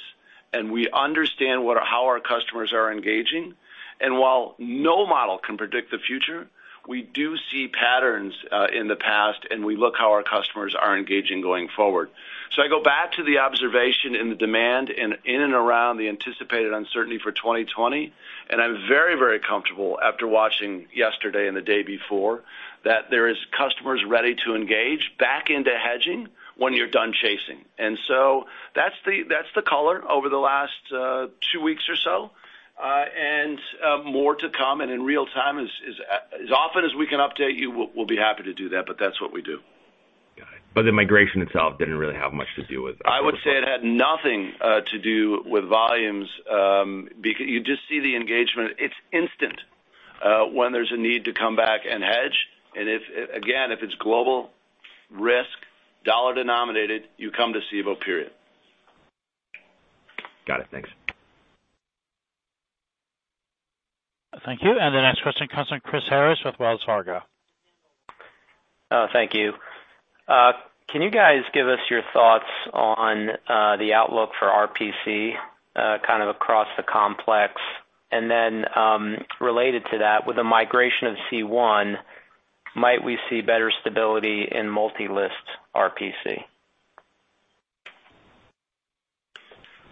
and we understand how our customers are engaging. While no model can predict the future, we do see patterns in the past, and we look how our customers are engaging going forward. I go back to the observation in the demand and in and around the anticipated uncertainty for 2020, and I'm very comfortable after watching yesterday and the day before, that there is customers ready to engage back into hedging when you're done chasing. That's the color over the last two weeks or so. More to come and in real-time, as often as we can update you, we'll be happy to do that, but that's what we do. The migration itself didn't really have much to do with- I would say it had nothing to do with volumes. You just see the engagement. It's instant when there's a need to come back and hedge. Again, if it's global risk, dollar denominated, you come to Cboe, period. Got it. Thanks. Thank you. The next question comes from Christopher Harris with Wells Fargo. Thank you. Can you guys give us your thoughts on the outlook for RPC, kind of across the complex? Related to that, with the migration of C1, might we see better stability in multi-list RPC?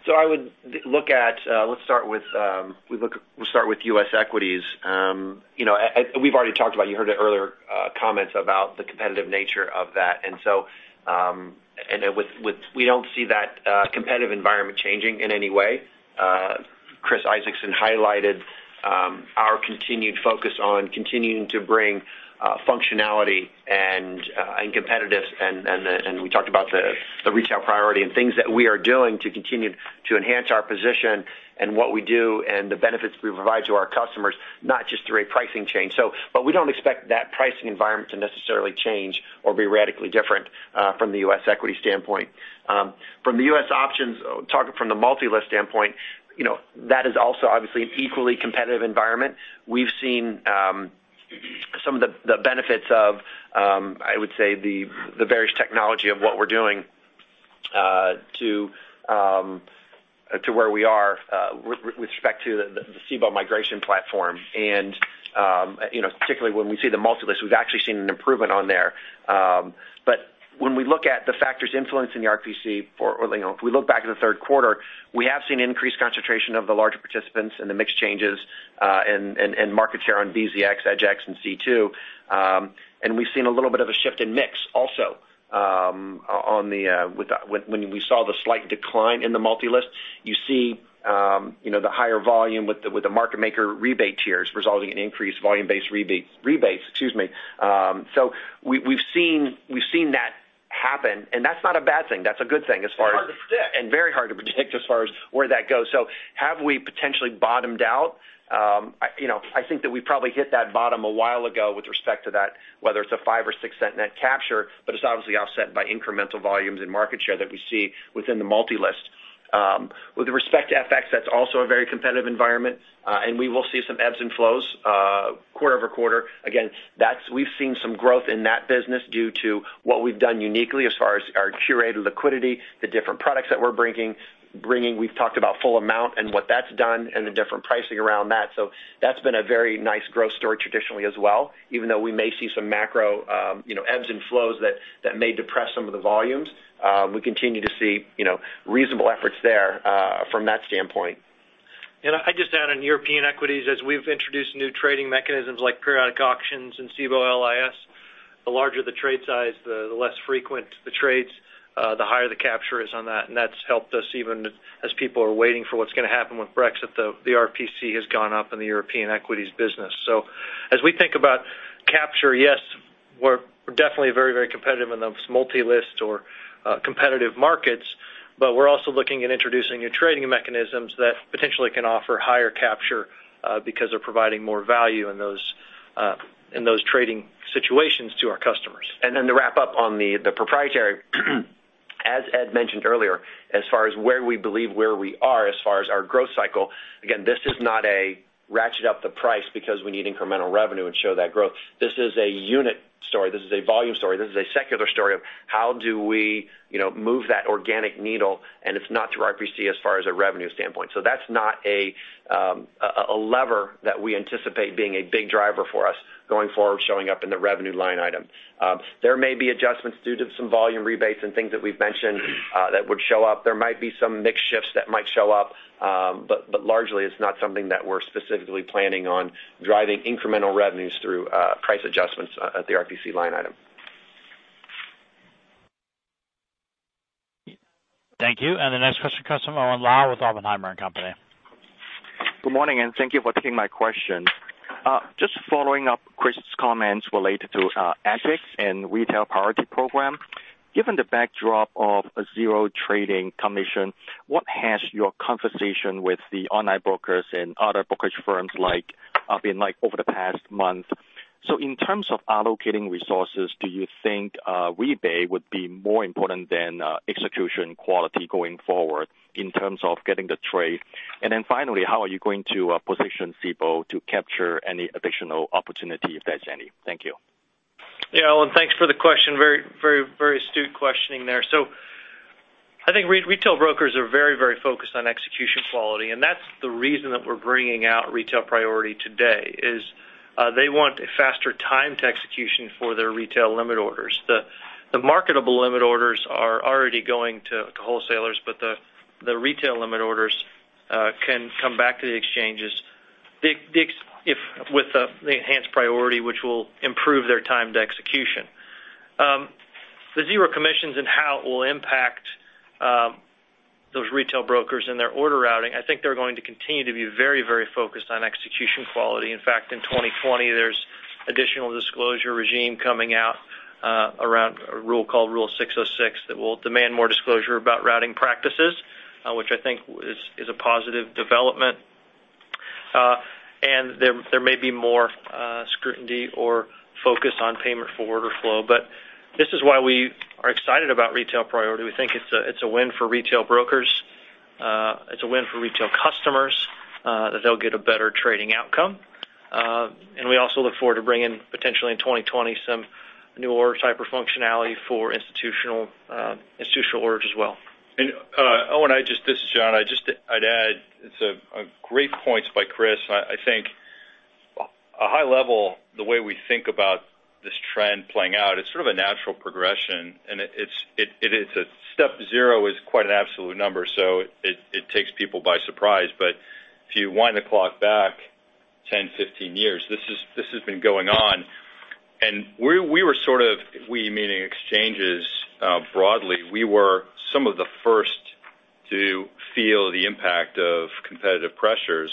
Let's start with U.S. equities. We've already talked about, you heard it earlier, comments about the competitive nature of that. We don't see that competitive environment changing in any way. Chris Isaacson highlighted our continued focus on continuing to bring functionality and competitiveness, and we talked about the Retail Priority and things that we are doing to continue to enhance our position and what we do and the benefits we provide to our customers, not just through a pricing change. We don't expect that pricing environment to necessarily change or be radically different from the U.S. equity standpoint. From the U.S. options target, from the multi-list standpoint, that is also obviously an equally competitive environment. We've seen some of the benefits of, I would say, the various technology of what we're doing to where we are with respect to the Cboe migration platform. Particularly when we see the multi-list, we've actually seen an improvement on there. When we look at the factors influencing the RPC. If we look back in the third quarter, we have seen increased concentration of the larger participants and the mix changes, and market share on BZX, EDGX and C2. We've seen a little bit of a shift in mix also when we saw the slight decline in the multi-list. You see the higher volume with the market maker rebate tiers resulting in increased volume-based rebates. We've seen that happen, and that's not a bad thing. That's a good thing. It's hard to predict. Very hard to predict as far as where that goes. Have we potentially bottomed out? I think that we probably hit that bottom a while ago with respect to that, whether it's a $0.05 or $0.06 net capture, it's obviously offset by incremental volumes and market share that we see within the multi-list. With respect to FX, that's also a very competitive environment, we will see some ebbs and flows quarter-over-quarter. Again, we've seen some growth in that business due to what we've done uniquely as far as our curated liquidity, the different products that we're bringing. We've talked about Full Amount and what that's done and the different pricing around that. That's been a very nice growth story traditionally as well. Even though we may see some macro ebbs and flows that may depress some of the volumes, we continue to see reasonable efforts there from that standpoint. I'd just add on European equities, as we've introduced new trading mechanisms like periodic auctions and Cboe LIS, the larger the trade size, the less frequent the trades, the higher the capture is on that. That's helped us even as people are waiting for what's going to happen with Brexit, the RPC has gone up in the European equities business. As we think about capture, yes, we're definitely very competitive in those multi-list or competitive markets, but we're also looking at introducing new trading mechanisms that potentially can offer higher capture because they're providing more value in those trading situations to our customers. To wrap up on the proprietary. As Ed mentioned earlier, as far as where we believe where we are as far as our growth cycle, again, this is not a ratchet up the price because we need incremental revenue and show that growth. This is a unit story. This is a volume story. This is a secular story of how do we move that organic needle, it's not through RPC as far as a revenue standpoint. That's not a lever that we anticipate being a big driver for us going forward, showing up in the revenue line item. There may be adjustments due to some volume rebates and things that we've mentioned that would show up. There might be some mix shifts that might show up. Largely, it's not something that we're specifically planning on driving incremental revenues through price adjustments at the RPC line item. Thank you. The next question comes from Owen Lau with Oppenheimer. Good morning, thank you for taking my question. Just following up Chris's comments related to EDGX and Retail Priority Program. Given the backdrop of a zero trading commission, what has your conversation with the online brokers and other brokerage firms been like over the past month? In terms of allocating resources, do you think rebate would be more important than execution quality going forward in terms of getting the trade? Finally, how are you going to position Cboe to capture any additional opportunity, if there's any? Thank you. Owen, thanks for the question. Very astute questioning there. I think retail brokers are very focused on execution quality, and that's the reason that we're bringing out Retail Priority today, is they want a faster time to execution for their retail limit orders. The marketable limit orders are already going to wholesalers, the retail limit orders can come back to the exchanges with the enhanced priority, which will improve their time to execution. The zero commissions and how it will impact those retail brokers and their order routing, I think they're going to continue to be very focused on execution quality. In fact, in 2020, there's additional disclosure regime coming out around a rule called Rule 606 that will demand more disclosure about routing practices, which I think is a positive development. There may be more scrutiny or focus on payment for order flow. This is why we are excited about Retail Priority. We think it's a win for retail brokers. It's a win for retail customers, that they'll get a better trading outcome. We also look forward to bringing potentially in 2020 some new order type or functionality for institutional orders as well. Owen, this is John. I'd add, it's great points by Chris. I think a high level, the way we think about this trend playing out, it's sort of a natural progression, and step zero is quite an absolute number, so it takes people by surprise. If you wind the clock back 10, 15 years, this has been going on. We were sort of, we meaning exchanges broadly, we were some of the first to feel the impact of competitive pressures.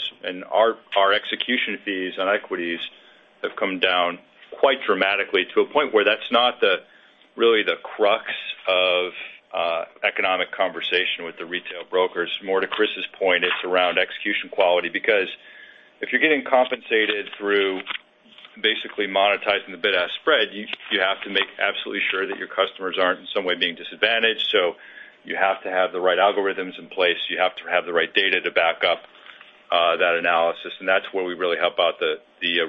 Our execution fees on equities have come down quite dramatically to a point where that's not really the crux of economic conversation with the retail brokers. More to Chris's point, it's around execution quality. Because if you're getting compensated through basically monetizing the bid-ask spread, you have to make absolutely sure that your customers aren't in some way being disadvantaged. You have to have the right algorithms in place. You have to have the right data to back up that analysis. That's where we really help out the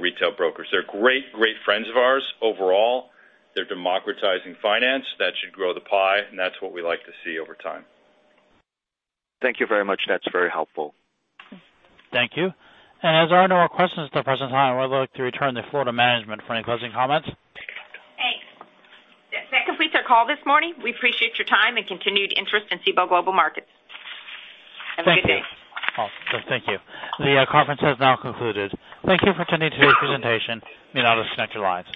retail brokers. They're great friends of ours overall. They're democratizing finance. That should grow the pie, and that's what we like to see over time. Thank you very much. That's very helpful. Thank you. As there are no more questions at the present time, I would like to return the floor to management for any closing comments. Thanks. That completes our call this morning. We appreciate your time and continued interest in Cboe Global Markets. Have a great day. Thank you. The conference has now concluded. Thank you for attending to the presentation. You may now disconnect your lines.